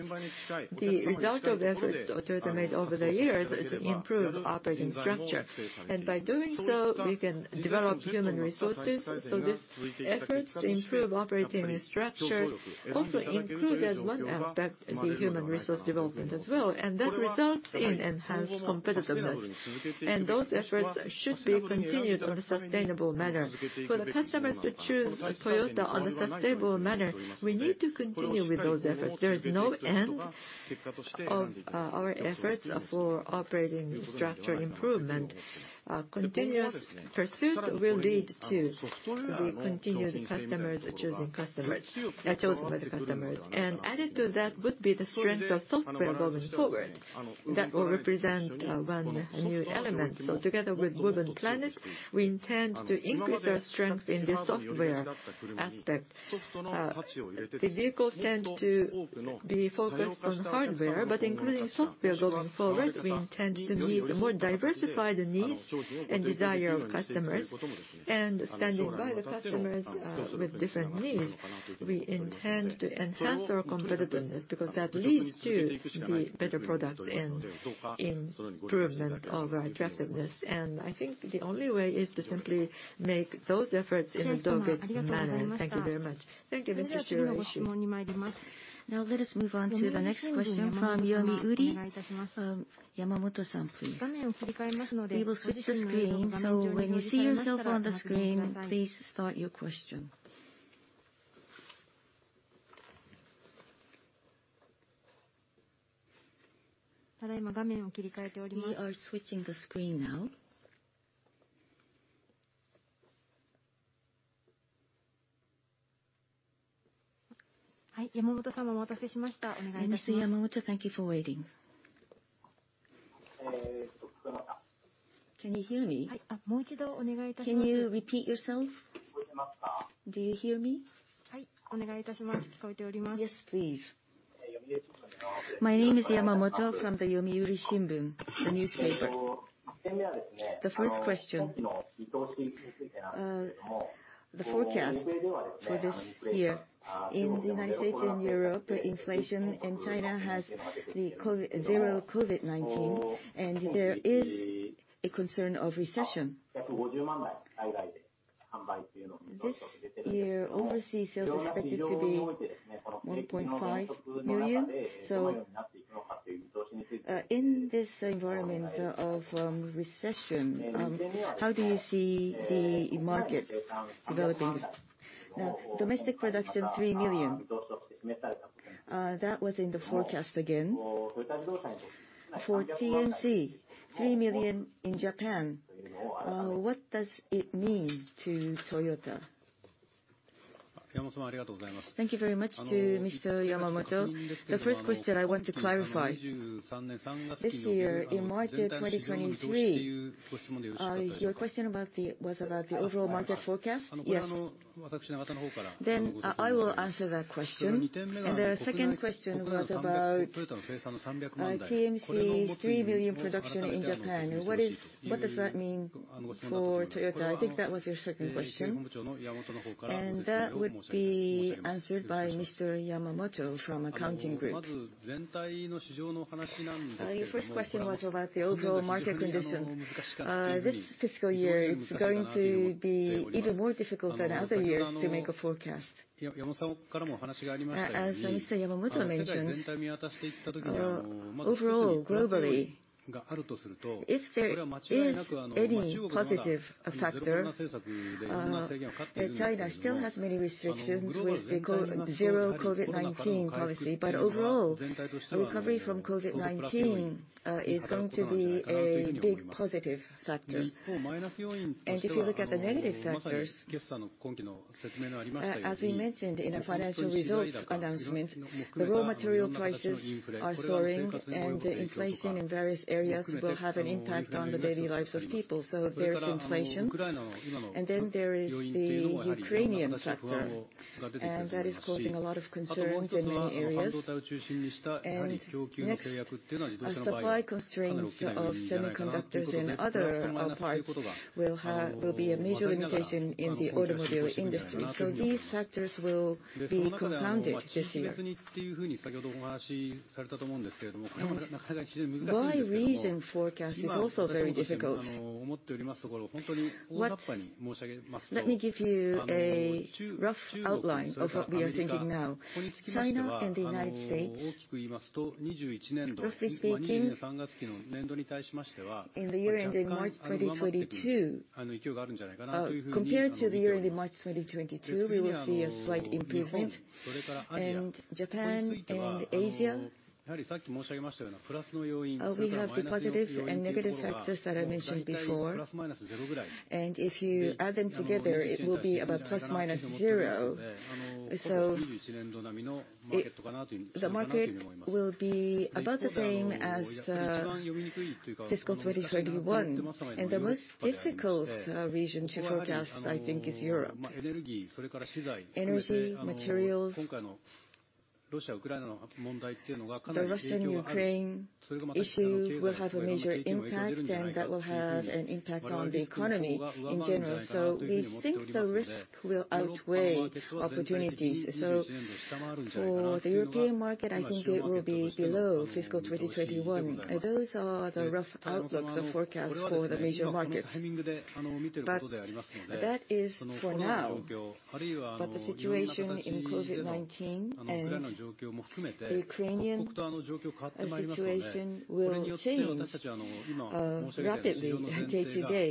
the result of efforts Toyota made over the years to improve operating structure. By doing so, we can develop human resources. This efforts to improve operating structure also include as one aspect the human resource development as well, and that results in enhanced competitiveness. Those efforts should be continued on a sustainable manner. For the customers to choose Toyota in a sustainable manner, we need to continue with those efforts. There is no end of our efforts for operating structure improvement. Continuous pursuit will lead to the continued customers, choosing customers, chosen by the customers. Added to that would be the strength of software going forward. That will represent one, a new element. Together with Woven Planet, we intend to increase our strength in the software aspect. The vehicles tend to be focused on hardware, but including software going forward, we intend to meet the more diversified needs and desire of customers. Standing by the customers with different needs, we intend to enhance our competitiveness because that leads to the better products and improvement of our attractiveness. I think the only way is to simply make those efforts in a dogged manner. Thank you very much. Thank you, Mr. Shiraishi. Now let us move on to the next question from Yomiuri. Yamamoto-san, please. We will switch the screen, so when you see yourself on the screen, please start your question. We are switching the screen now. Mr. Yamamoto, thank you for waiting. Can you hear me? Can you repeat yourself? Do you hear me? Yes, please. My name is Yamamoto from the Yomiuri Shimbun, the newspaper. The first question, the forecast for this year. In the United States and Europe, inflation, and China has the zero COVID-19, and there is a concern of recession. This year, overseas sales are expected to be 1.5 million. In this environment of recession, how do you see the market developing? Now, domestic production, 3 million. That was in the forecast again. For TMC, 3 million in Japan. What does it mean to Toyota? Thank you very much to Mr. Yamamoto. The first question I want to clarify. This year, in March 2023, your question about the, was about the overall market forecast? Yes. I will answer that question. The second question was about TMC 3 million production in Japan. What does that mean for Toyota? I think that was your second question. That will be answered by Mr. Yamamoto from Accounting Group. Your first question was about the overall market conditions. This fiscal year, it's going to be even more difficult than other years to make a forecast. As Mr. Yamamoto mentioned, overall, globally, if there is any positive factor, China still has many restrictions with the zero-COVID-19 policy. Overall, recovery from COVID-19 is going to be a big positive factor. If you look at the negative factors, as we mentioned in our financial results announcement, the raw material prices are soaring, and inflation in various areas will have an impact on the daily lives of people. There is inflation, and then there is the Ukrainian factor, and that is causing a lot of concerns in many areas. Next, supply constraints of semiconductors and other parts will be a major limitation in the automobile industry. These factors will be compounded this year. By region forecast is also very difficult. Let me give you a rough outline of what we are thinking now. China and the United States, roughly speaking, in the year ending March 2022, compared to the year ending March 2022, we will see a slight improvement. Japan and Asia, we have the positives and negative factors that I mentioned before. If you add them together, it will be about plus minus zero. It, the market will be about the same as fiscal 2021. The most difficult region to forecast, I think, is Europe. Energy, materials, the Russia-Ukraine issue will have a major impact, and that will have an impact on the economy in general. We think the risk will outweigh opportunities. For the European market, I think it will be below fiscal 2021. Those are the rough outlooks, the forecast for the major markets. That is for now. The situation in COVID-19 and the Ukrainian situation will change rapidly day to day.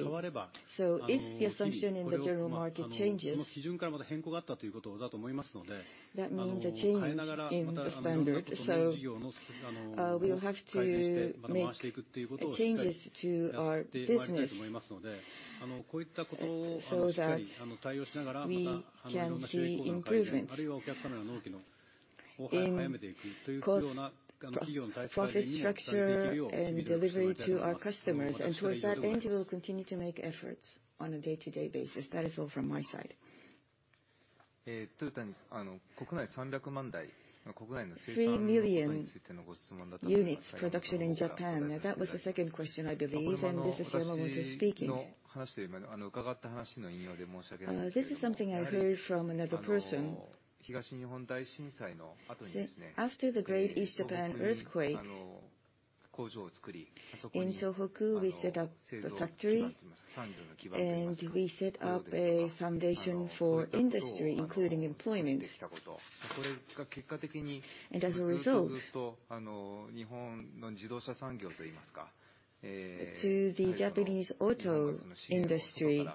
If the assumption in the general market changes, that means a change in the standard. We'll have to make changes to our business, so that we can see improvement in cost, procurement process structure and delivery to our customers. Towards that end, we will continue to make efforts on a day-to-day basis. That is all from my side. 3 million units production in Japan. That was the second question, I believe, and Mr. Yamamoto speaking. This is something I heard from another person. After the Great East Japan Earthquake, in Tohoku, we set up a factory, and we set up a foundation for industry, including employment. As a result, to the Japanese auto industry,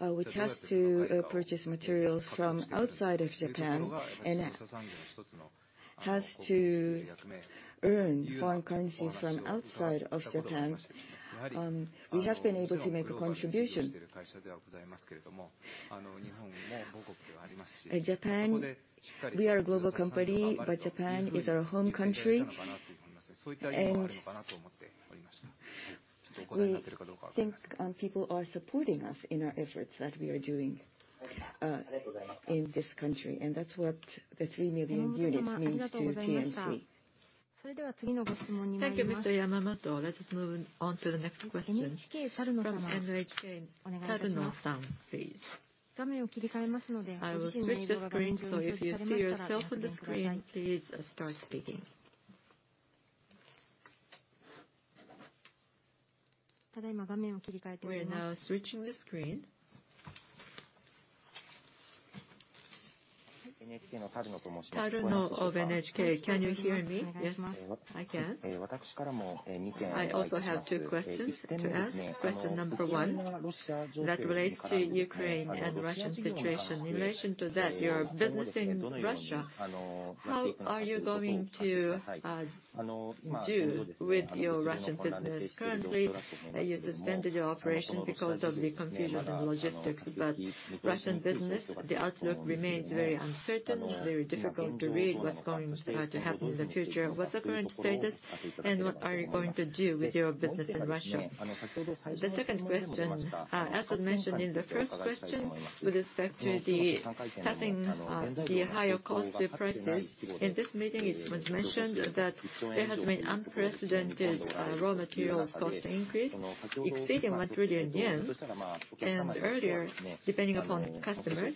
which has to purchase materials from outside of Japan and has to earn foreign currency from outside of Japan, we have been able to make a contribution. Japan, we are a global company, but Japan is our home country. We think people are supporting us in our efforts that we are doing in this country. That's what the 3 million units means to TMC. Thank you, Mr. Yamamoto. Let us move on to the next question. From NHK, Taruno-san, please. I will switch the screen, so if you see yourself on the screen, please start speaking. We're now switching the screen. Taruno of NHK. Can you hear me? Yes, I can. I also have two questions to ask. Question number one, that relates to Ukraine and Russian situation. In relation to that, your business in Russia, how are you going to do with your Russian business? Currently, you suspended your operation because of the confusion in logistics. Russian business, the outlook remains very uncertain, very difficult to read what's going to happen in the future. What's the current status, and what are you going to do with your business in Russia? The second question, as was mentioned in the first question with respect to the passing, the higher cost to prices. In this meeting, it was mentioned that there has been unprecedented, raw materials cost increase exceeding 1 trillion yen. Earlier, depending upon customers,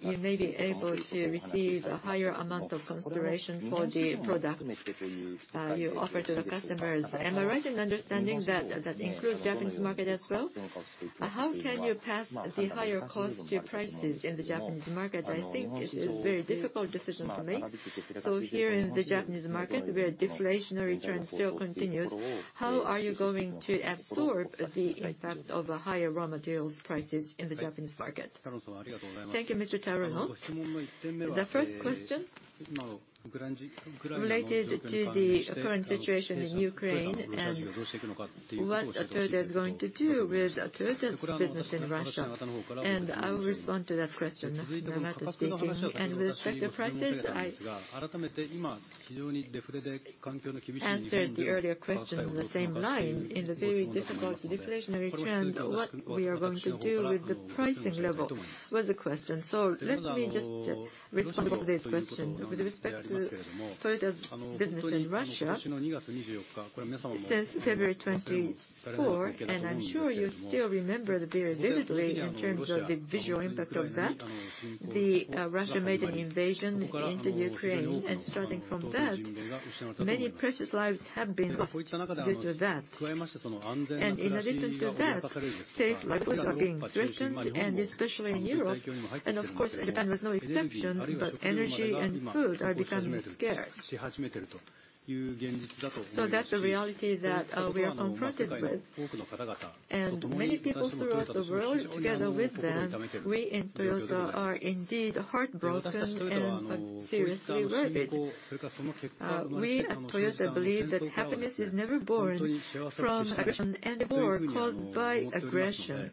you may be able to receive a higher amount of consideration for the product, you offer to the customers. Am I right in understanding that includes Japanese market as well? How can you pass the higher cost to prices in the Japanese market? I think it is very difficult decision to make. Here in the Japanese market, where deflationary trend still continues, how are you going to absorb the impact of higher raw materials prices in the Japanese market? Thank you, Mr. Taruno. The first question related to the current situation in Ukraine and what Toyota is going to do with Toyota's business in Russia, and I will respond to that question. Masahiro Yamamoto speaking. With respect to prices, I answered the earlier question in the same line. In the very difficult deflationary trend, what we are going to do with the pricing level was the question. Let me just respond to this question. With respect to Toyota's business in Russia, since February 24, and I'm sure you still remember very vividly in terms of the visual impact of that, the Russia made an invasion into Ukraine. Starting from that, many precious lives have been lost due to that. In addition to that, safe livelihoods are being threatened, and especially in Europe, and of course, Japan was no exception, but energy and food are becoming scarce. That's the reality that we are confronted with. Many people throughout the world, together with them, we in Toyota are indeed heartbroken and seriously worried. We at Toyota believe that happiness is never born from aggression and war caused by aggression.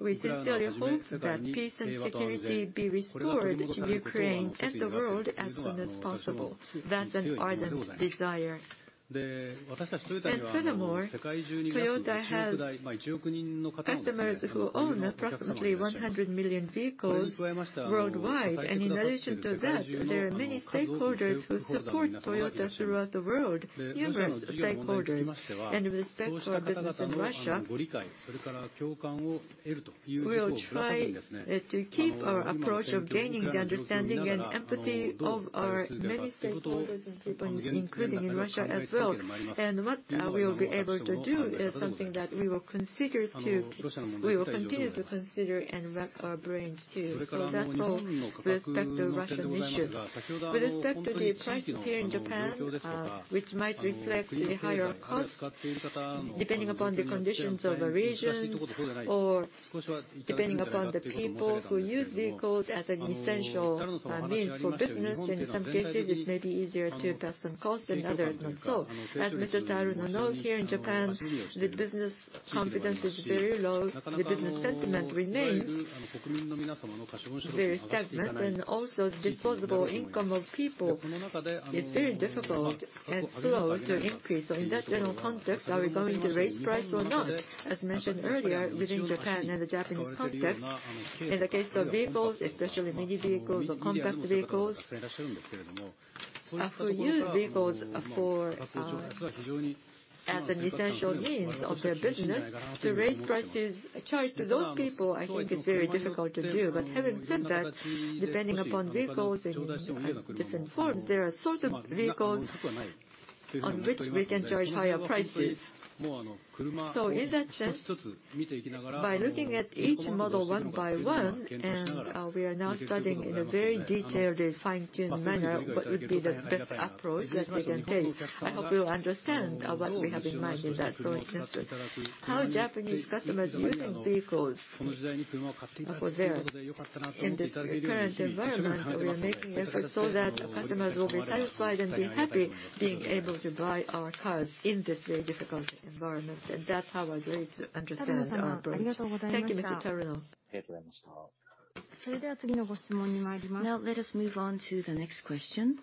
We sincerely hope that peace and security be restored to Ukraine and the world as soon as possible. That's an ardent desire. Furthermore, Toyota has customers who own approximately 100 million vehicles worldwide. In addition to that, there are many stakeholders who support Toyota throughout the world, numerous stakeholders. With respect to our business in Russia, we will try to keep our approach of gaining the understanding and empathy of our many stakeholders and people, including in Russia as well. What we will be able to do is something that we will consider to. We will continue to consider and rack our brains too. That's all with respect to Russian issue. With respect to the prices here in Japan, which might reflect the higher costs, depending upon the conditions of a region or depending upon the people who use vehicles as an essential means for business, in some cases, it may be easier to pass on costs, in others, not so. As Mr. Taruno knows, here in Japan, the business confidence is very low. The business sentiment remains very stagnant. Disposable income of people is very difficult and slow to increase. In that general context, are we going to raise price or not? As mentioned earlier, within Japan and the Japanese context, in the case of vehicles, especially mini vehicles or compact vehicles, for used vehicles for, as an essential means of their business to raise prices, to those people, I think it's very difficult to do. Having said that, depending upon vehicles in different forms, there are certain vehicles On which we can charge higher prices. In that sense, by looking at each model one by one, and we are now studying in a very detailed and fine-tuned manner what would be the best approach that we can take. I hope you understand what we have in mind in that sort of instance. In this current environment, we are making efforts so that customers will be satisfied and be happy being able to buy our cars in this very difficult environment, and that's how I'd like to understand our approach. Thank you, Mr. Taruno. Now, let us move on to the next question.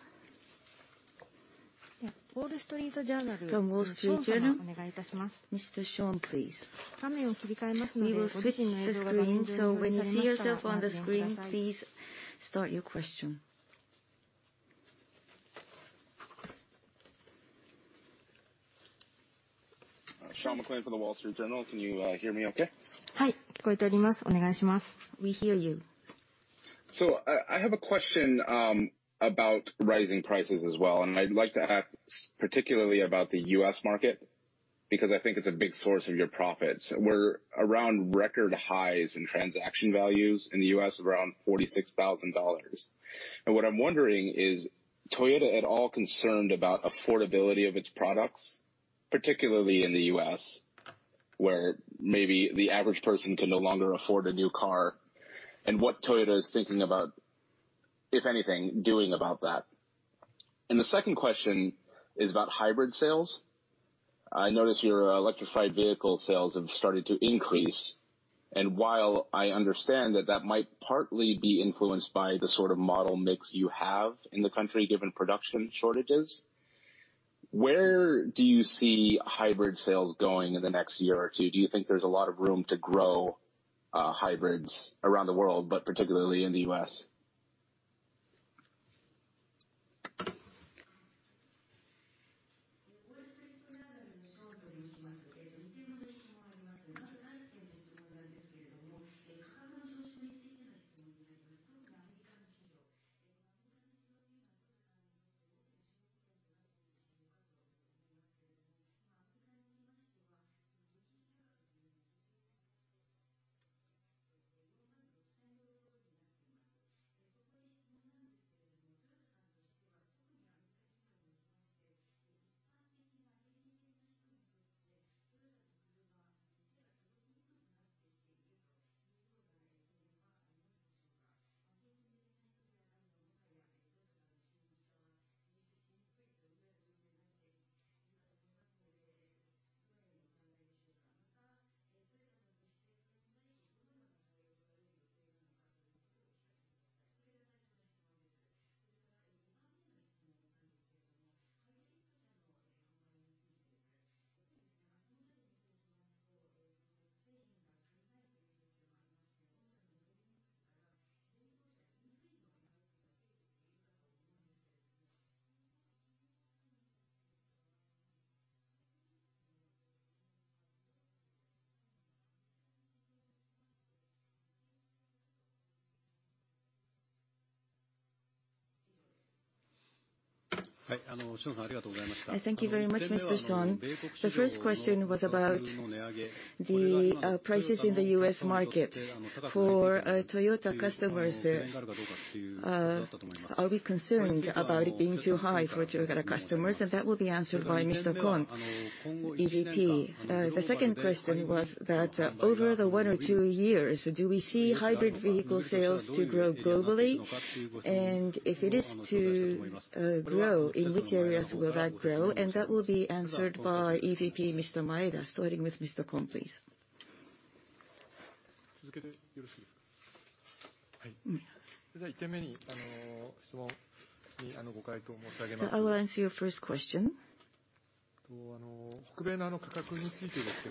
From Wall Street Journal. Mr. Sean McLain, please. We will switch the screen, so when you see yourself on the screen, please start your question. Sean McLain from the Wall Street Journal. Can you hear me okay? We hear you. I have a question about rising prices as well, and I'd like to ask particularly about the U.S. market, because I think it's a big source of your profits. We're around record highs in transaction values in the U.S. of around $46,000. What I'm wondering is, Toyota at all concerned about affordability of its products, particularly in the U.S., where maybe the average person can no longer afford a new car, and what Toyota is thinking about, if anything, doing about that? The second question is about hybrid sales. I notice your electrified vehicle sales have started to increase, and while I understand that that might partly be influenced by the sort of model mix you have in the country, given production shortages, where do you see hybrid sales going in the next year or two? Do you think there's a lot of room to grow, hybrids around the world, but particularly in the U.S.? I thank you very much, Mr. Sean McLain. The first question was about the prices in the U.S. market. For Toyota customers, are we concerned about it being too high for Toyota customers? That will be answered by Mr. Kon, EVP. The second question was that over the one or two years, do we see hybrid vehicle sales to grow globally? If it is to grow, in which areas will that grow? That will be answered by EVP Mr. Maeda. Starting with Mr. Kon, please. I will answer your first question.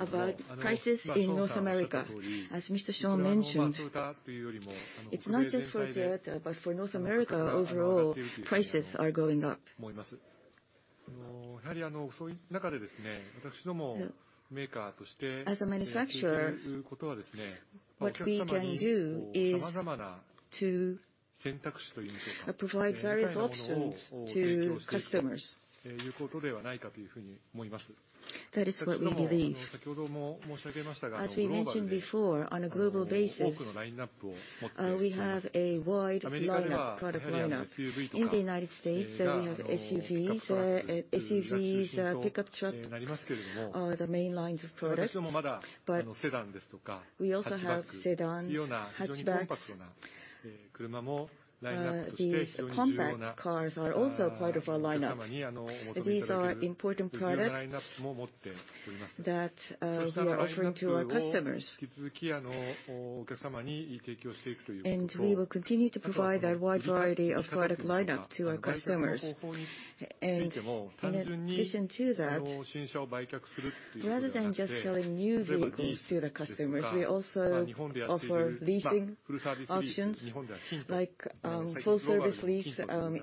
About prices in North America, as Mr. Sean McLain mentioned, it's not just for Toyota, but for North America overall, prices are going up. As a manufacturer, what we can do is to provide various options to customers. That is what we believe. As we mentioned before, on a global basis, we have a wide lineup, product lineup. In the United States, we have SUVs. SUVs, pickup truck are the main lines of products. We also have sedans, hatchbacks. These compact cars are also part of our lineup. These are important products that we are offering to our customers. We will continue to provide that wide variety of product lineup to our customers. In addition to that, rather than just selling new vehicles to the customers, we also offer leasing options like Full-Service Lease.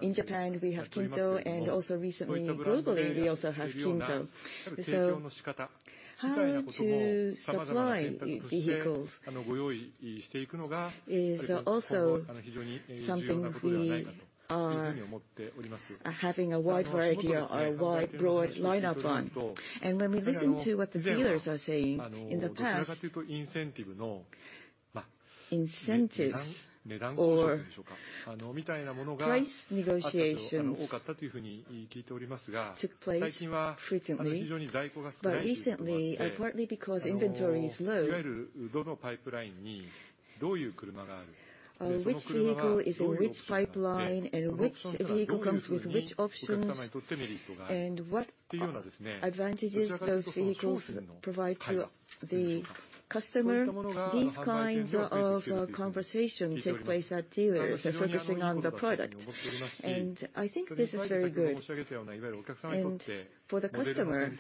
In Japan, we have KINTO, and also recently, globally, we also have KINTO. How to supply vehicles is also something we are having a wide variety or a wide broad lineup on. When we listen to what the dealers are saying, in the past price negotiations took place frequently, but recently, and partly because inventory is low, which vehicle is in which pipeline, and which vehicle comes with which options, and what advantages those vehicles provide to the customer. These kinds of conversation take place at dealers. They're focusing on the product. I think this is very good. For the customer,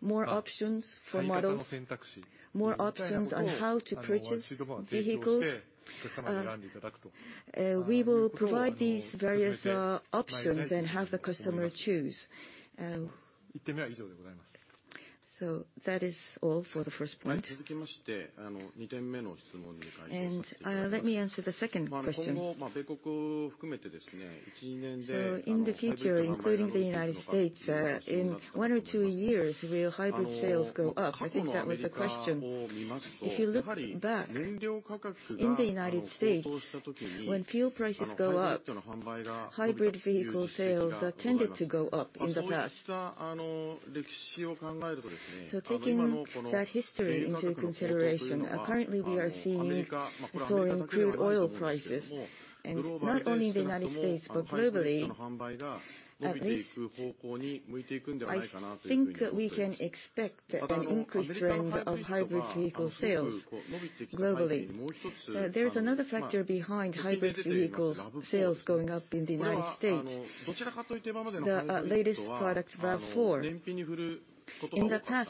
more options for models, more options on how to purchase vehicles. We will provide these various options and have the customer choose. That is all for the first point. Let me answer the second question. In the future, including the United States, in one or two years will hybrid sales go up? I think that was the question. If you look back, in the United States, when fuel prices go up, hybrid vehicle sales tended to go up in the past. Taking that history into consideration, currently we are seeing rising crude oil prices, and not only in the United States, but globally. At least, I think that we can expect an increased trend of hybrid vehicle sales globally. There is another factor behind hybrid vehicle sales going up in the United States. The latest product, RAV4. In the past,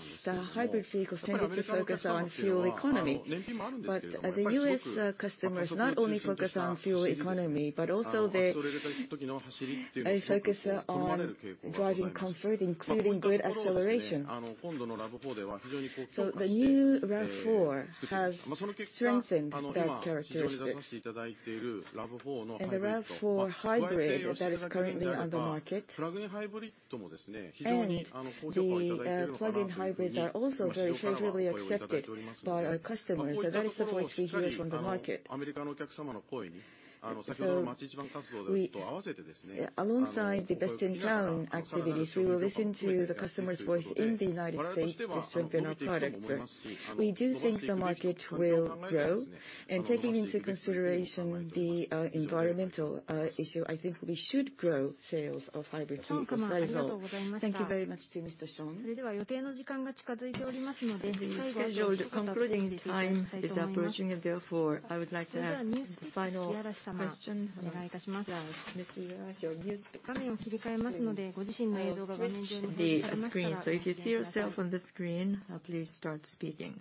hybrid vehicles tended to focus on fuel economy. The U.S. customers not only focus on fuel economy, but also they focus on driving comfort, including good acceleration. The new RAV4 has strengthened that characteristic. The RAV4 Hybrid that is currently on the market, and the plug-in hybrids are also very favorably accepted by our customers. That is the voice we hear from the market. We, alongside the best-in-town activities, will listen to the customers' voice in the United States to strengthen our product. We do think the market will grow. Taking into consideration the environmental issue, I think we should grow sales of hybrid vehicles. Thank you very much to Mr. Sean McLain. The scheduled concluding time is approaching, and therefore, I would like to have final questions. Mr. Ikarashi, can you switch the screen? If you see yourself on the screen, please start speaking.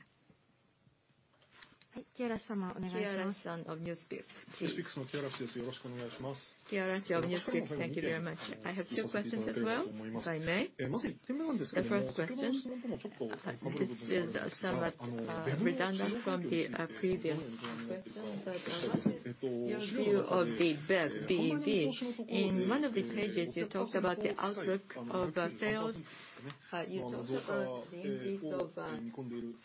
Ikarashi of NewsPicks. Ikarashi of NewsPicks, thank you very much. I have two questions as well, if I may. The first question, this is somewhat redundant from the previous question, but your view of the BEV. In one of the pages, you talked about the outlook of the sales. You talked about the increase of 593%,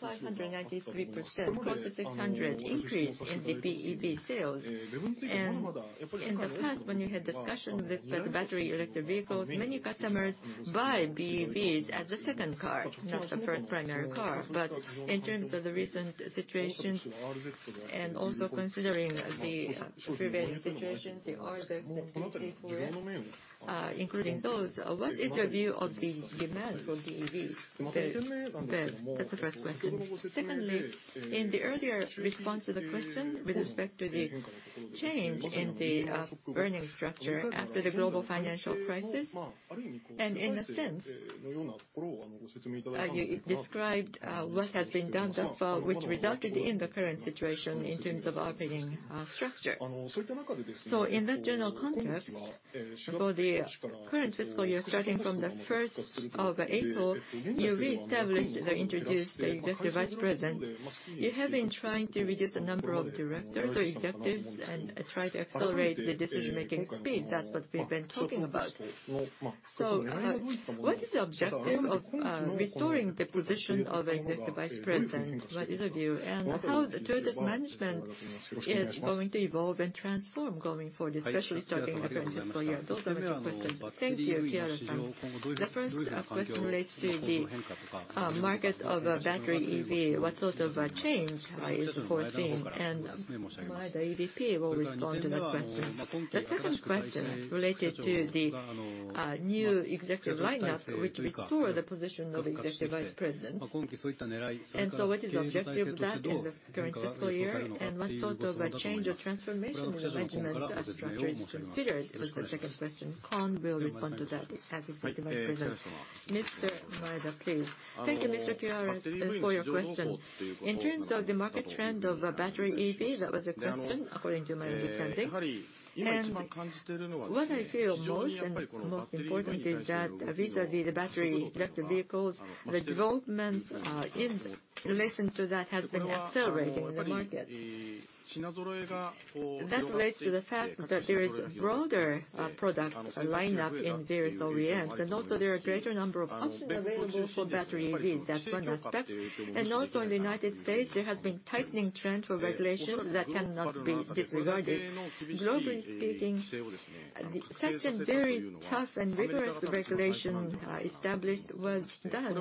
close to 600% increase in the BEV sales. In the past, when you had discussions with the battery electric vehicles, many customers buy BEVs as a second car, not the first primary car. In terms of the recent situation, and also considering the prevailing situations, the RZ, the bZ4X, including those, what is your view of the demands for BEVs? That's the first question. Secondly, in the earlier response to the question with respect to the change in the earnings structure after the global financial crisis, and in a sense, you described what has been done thus far, which resulted in the current situation in terms of our earnings structure. In that general context, for the current fiscal year, starting from the first of April, you reestablished or introduced the executive vice president. You have been trying to reduce the number of directors or executives and try to accelerate the decision-making speed. That's what we've been talking about. What is the objective of restoring the position of executive vice president? What is your view? How Toyota's management is going to evolve and transform going forward, especially starting the current fiscal year? Those are my questions. Thank you, Ikarashi-san. The first question relates to the market of battery EV. What sort of change is foreseen? Maeda, EVP will respond to that question. The second question related to the new executive lineup, which restored the position of the executive vice president. What is the objective of that in the current fiscal year? What sort of a change or transformation in the management structure is considered? It was the second question. Kon will respond to that as executive vice president. Mr. Maeda, please. Thank you, Mr. Ikarashi, for your question. In terms of the market trend of battery EV, that was the question, according to my understanding. What I feel most important is that vis-à-vis the battery electric vehicles, the developments in relation to that has been accelerating in the market. That relates to the fact that there is broader product lineup in various OEMs, and also there are greater number of options available for battery EVs. That's one aspect. Also in the United States, there has been tightening trend for regulations that cannot be disregarded. Globally speaking, such a very tough and rigorous regulation established was done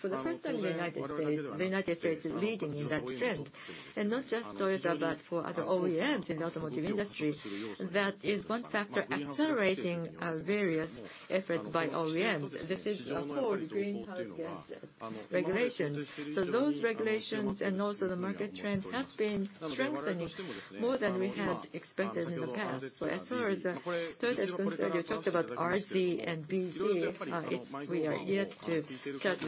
for the first time in the United States. The United States is leading in that trend. Not just Toyota, but for other OEMs in the automotive industry, that is one factor accelerating various efforts by OEMs. This is for greenhouse gas regulations. Those regulations and also the market trend has been strengthening more than we had expected in the past. As far as Toyota is concerned, you talked about RZ and bZ, we are yet to start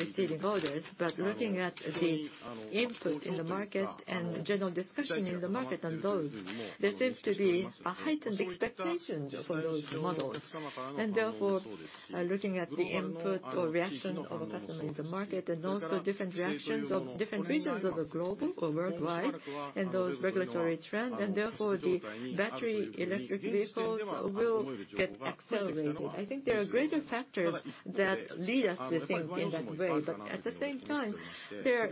receiving orders. Looking at the input in the market and general discussion in the market on those, there seems to be a heightened expectation for those models. Therefore, looking at the input or reaction of a customer in the market and also different reactions of different regions of the globe or worldwide, and those regulatory trends, and therefore, the battery electric vehicles will get accelerated. I think there are greater factors that lead us to think in that way. At the same time, there are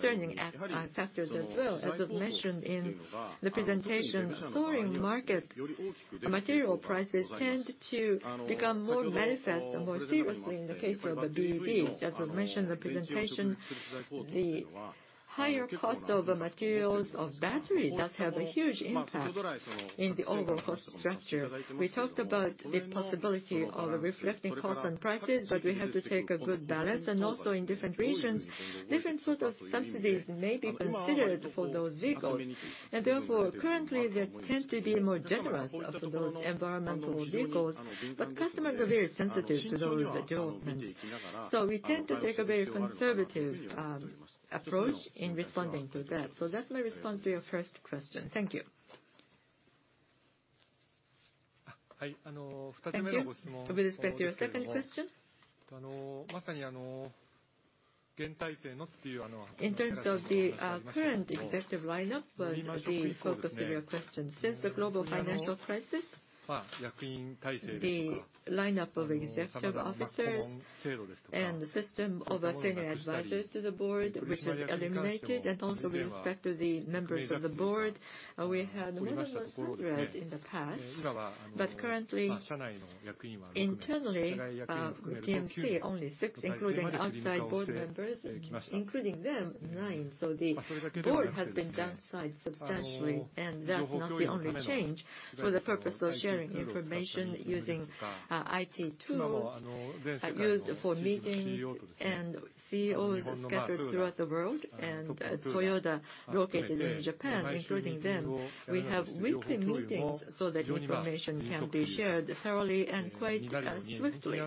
certain factors as well. As was mentioned in the presentation, soaring market material prices tend to become more manifest seriously in the case of the BEVs. As was mentioned in the presentation, the higher cost of the materials of battery does have a huge impact in the overall cost structure. We talked about the possibility of reflecting costs on prices, but we have to take a good balance, and also in different regions, different sort of subsidies may be considered for those vehicles. Therefore, currently, they tend to be more generous of those environmental vehicles, but customers are very sensitive to those adjustments. We tend to take a very conservative approach in responding to that. That's my response to your first question. Thank you. Thank you. With respect to your second question. In terms of the current executive lineup was the focus of your question. Since the global financial crisis, the lineup of executive officers and the system of senior advisors to the board, which was eliminated, and also with respect to the members of the board, we had more than 100 in the past, but currently, internally, TMC, only six, including outside board members, nine. The board has been downsized substantially, and that's not the only change. For the purpose of sharing information using IT tools used for meetings and CEOs scattered throughout the world, and Toyota located in Japan, including them, we have weekly meetings so that information can be shared thoroughly and quite swiftly.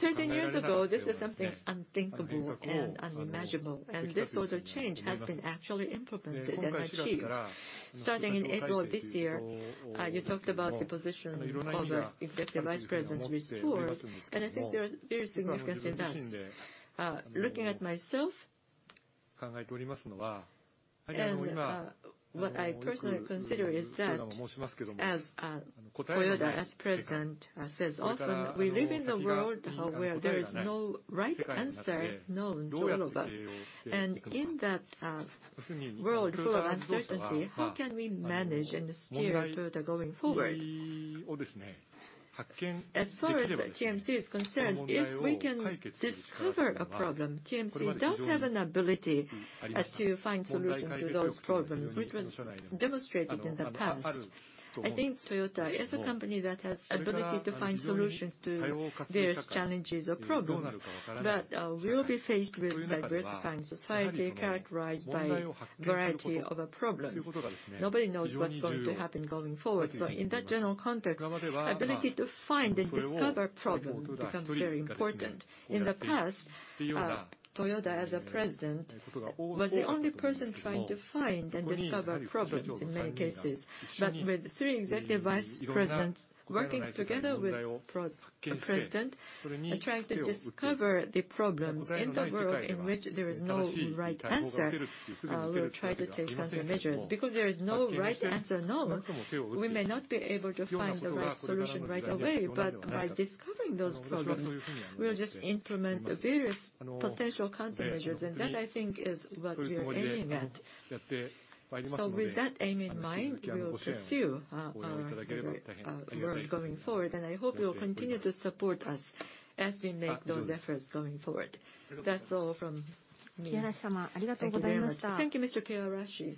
13 years ago, this was something unthinkable and unimaginable, and this sort of change has been actually implemented and achieved. Starting in April this year, you talked about the position of executive vice presidents before, and I think there is very significance in that. Looking at myself, and what I personally consider is that as Toyota, as president, says often, we live in a world where there is no right answer known to all of us. In that world full of uncertainty, how can we manage and steer Toyota going forward? As far as TMC is concerned, if we can discover a problem, TMC does have an ability to find solutions to those problems, which was demonstrated in the past. I think Toyota is a company that has ability to find solutions to various challenges or problems. We will be faced with diversifying society characterized by variety of problems. Nobody knows what's going to happen going forward. In that general context, ability to find and discover problems becomes very important. In the past, Toyoda, as president, was the only person trying to find and discover problems in many cases. With three executive vice presidents working together with the president and trying to discover the problems in the world in which there is no right answer, we'll try to take countermeasures. Because there is no right answer known, we may not be able to find the right solution right away. By discovering those problems, we'll just implement various potential countermeasures, and that I think is what we're aiming at. With that aim in mind, we will pursue our work going forward, and I hope you'll continue to support us as we make those efforts going forward. That's all from me. Thank you very much. Thank you, Mr. Ikarashi.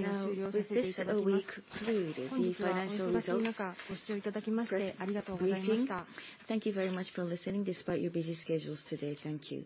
Now, with this, we conclude the financial results press briefing. Thank you very much for listening despite your busy schedules today. Thank you.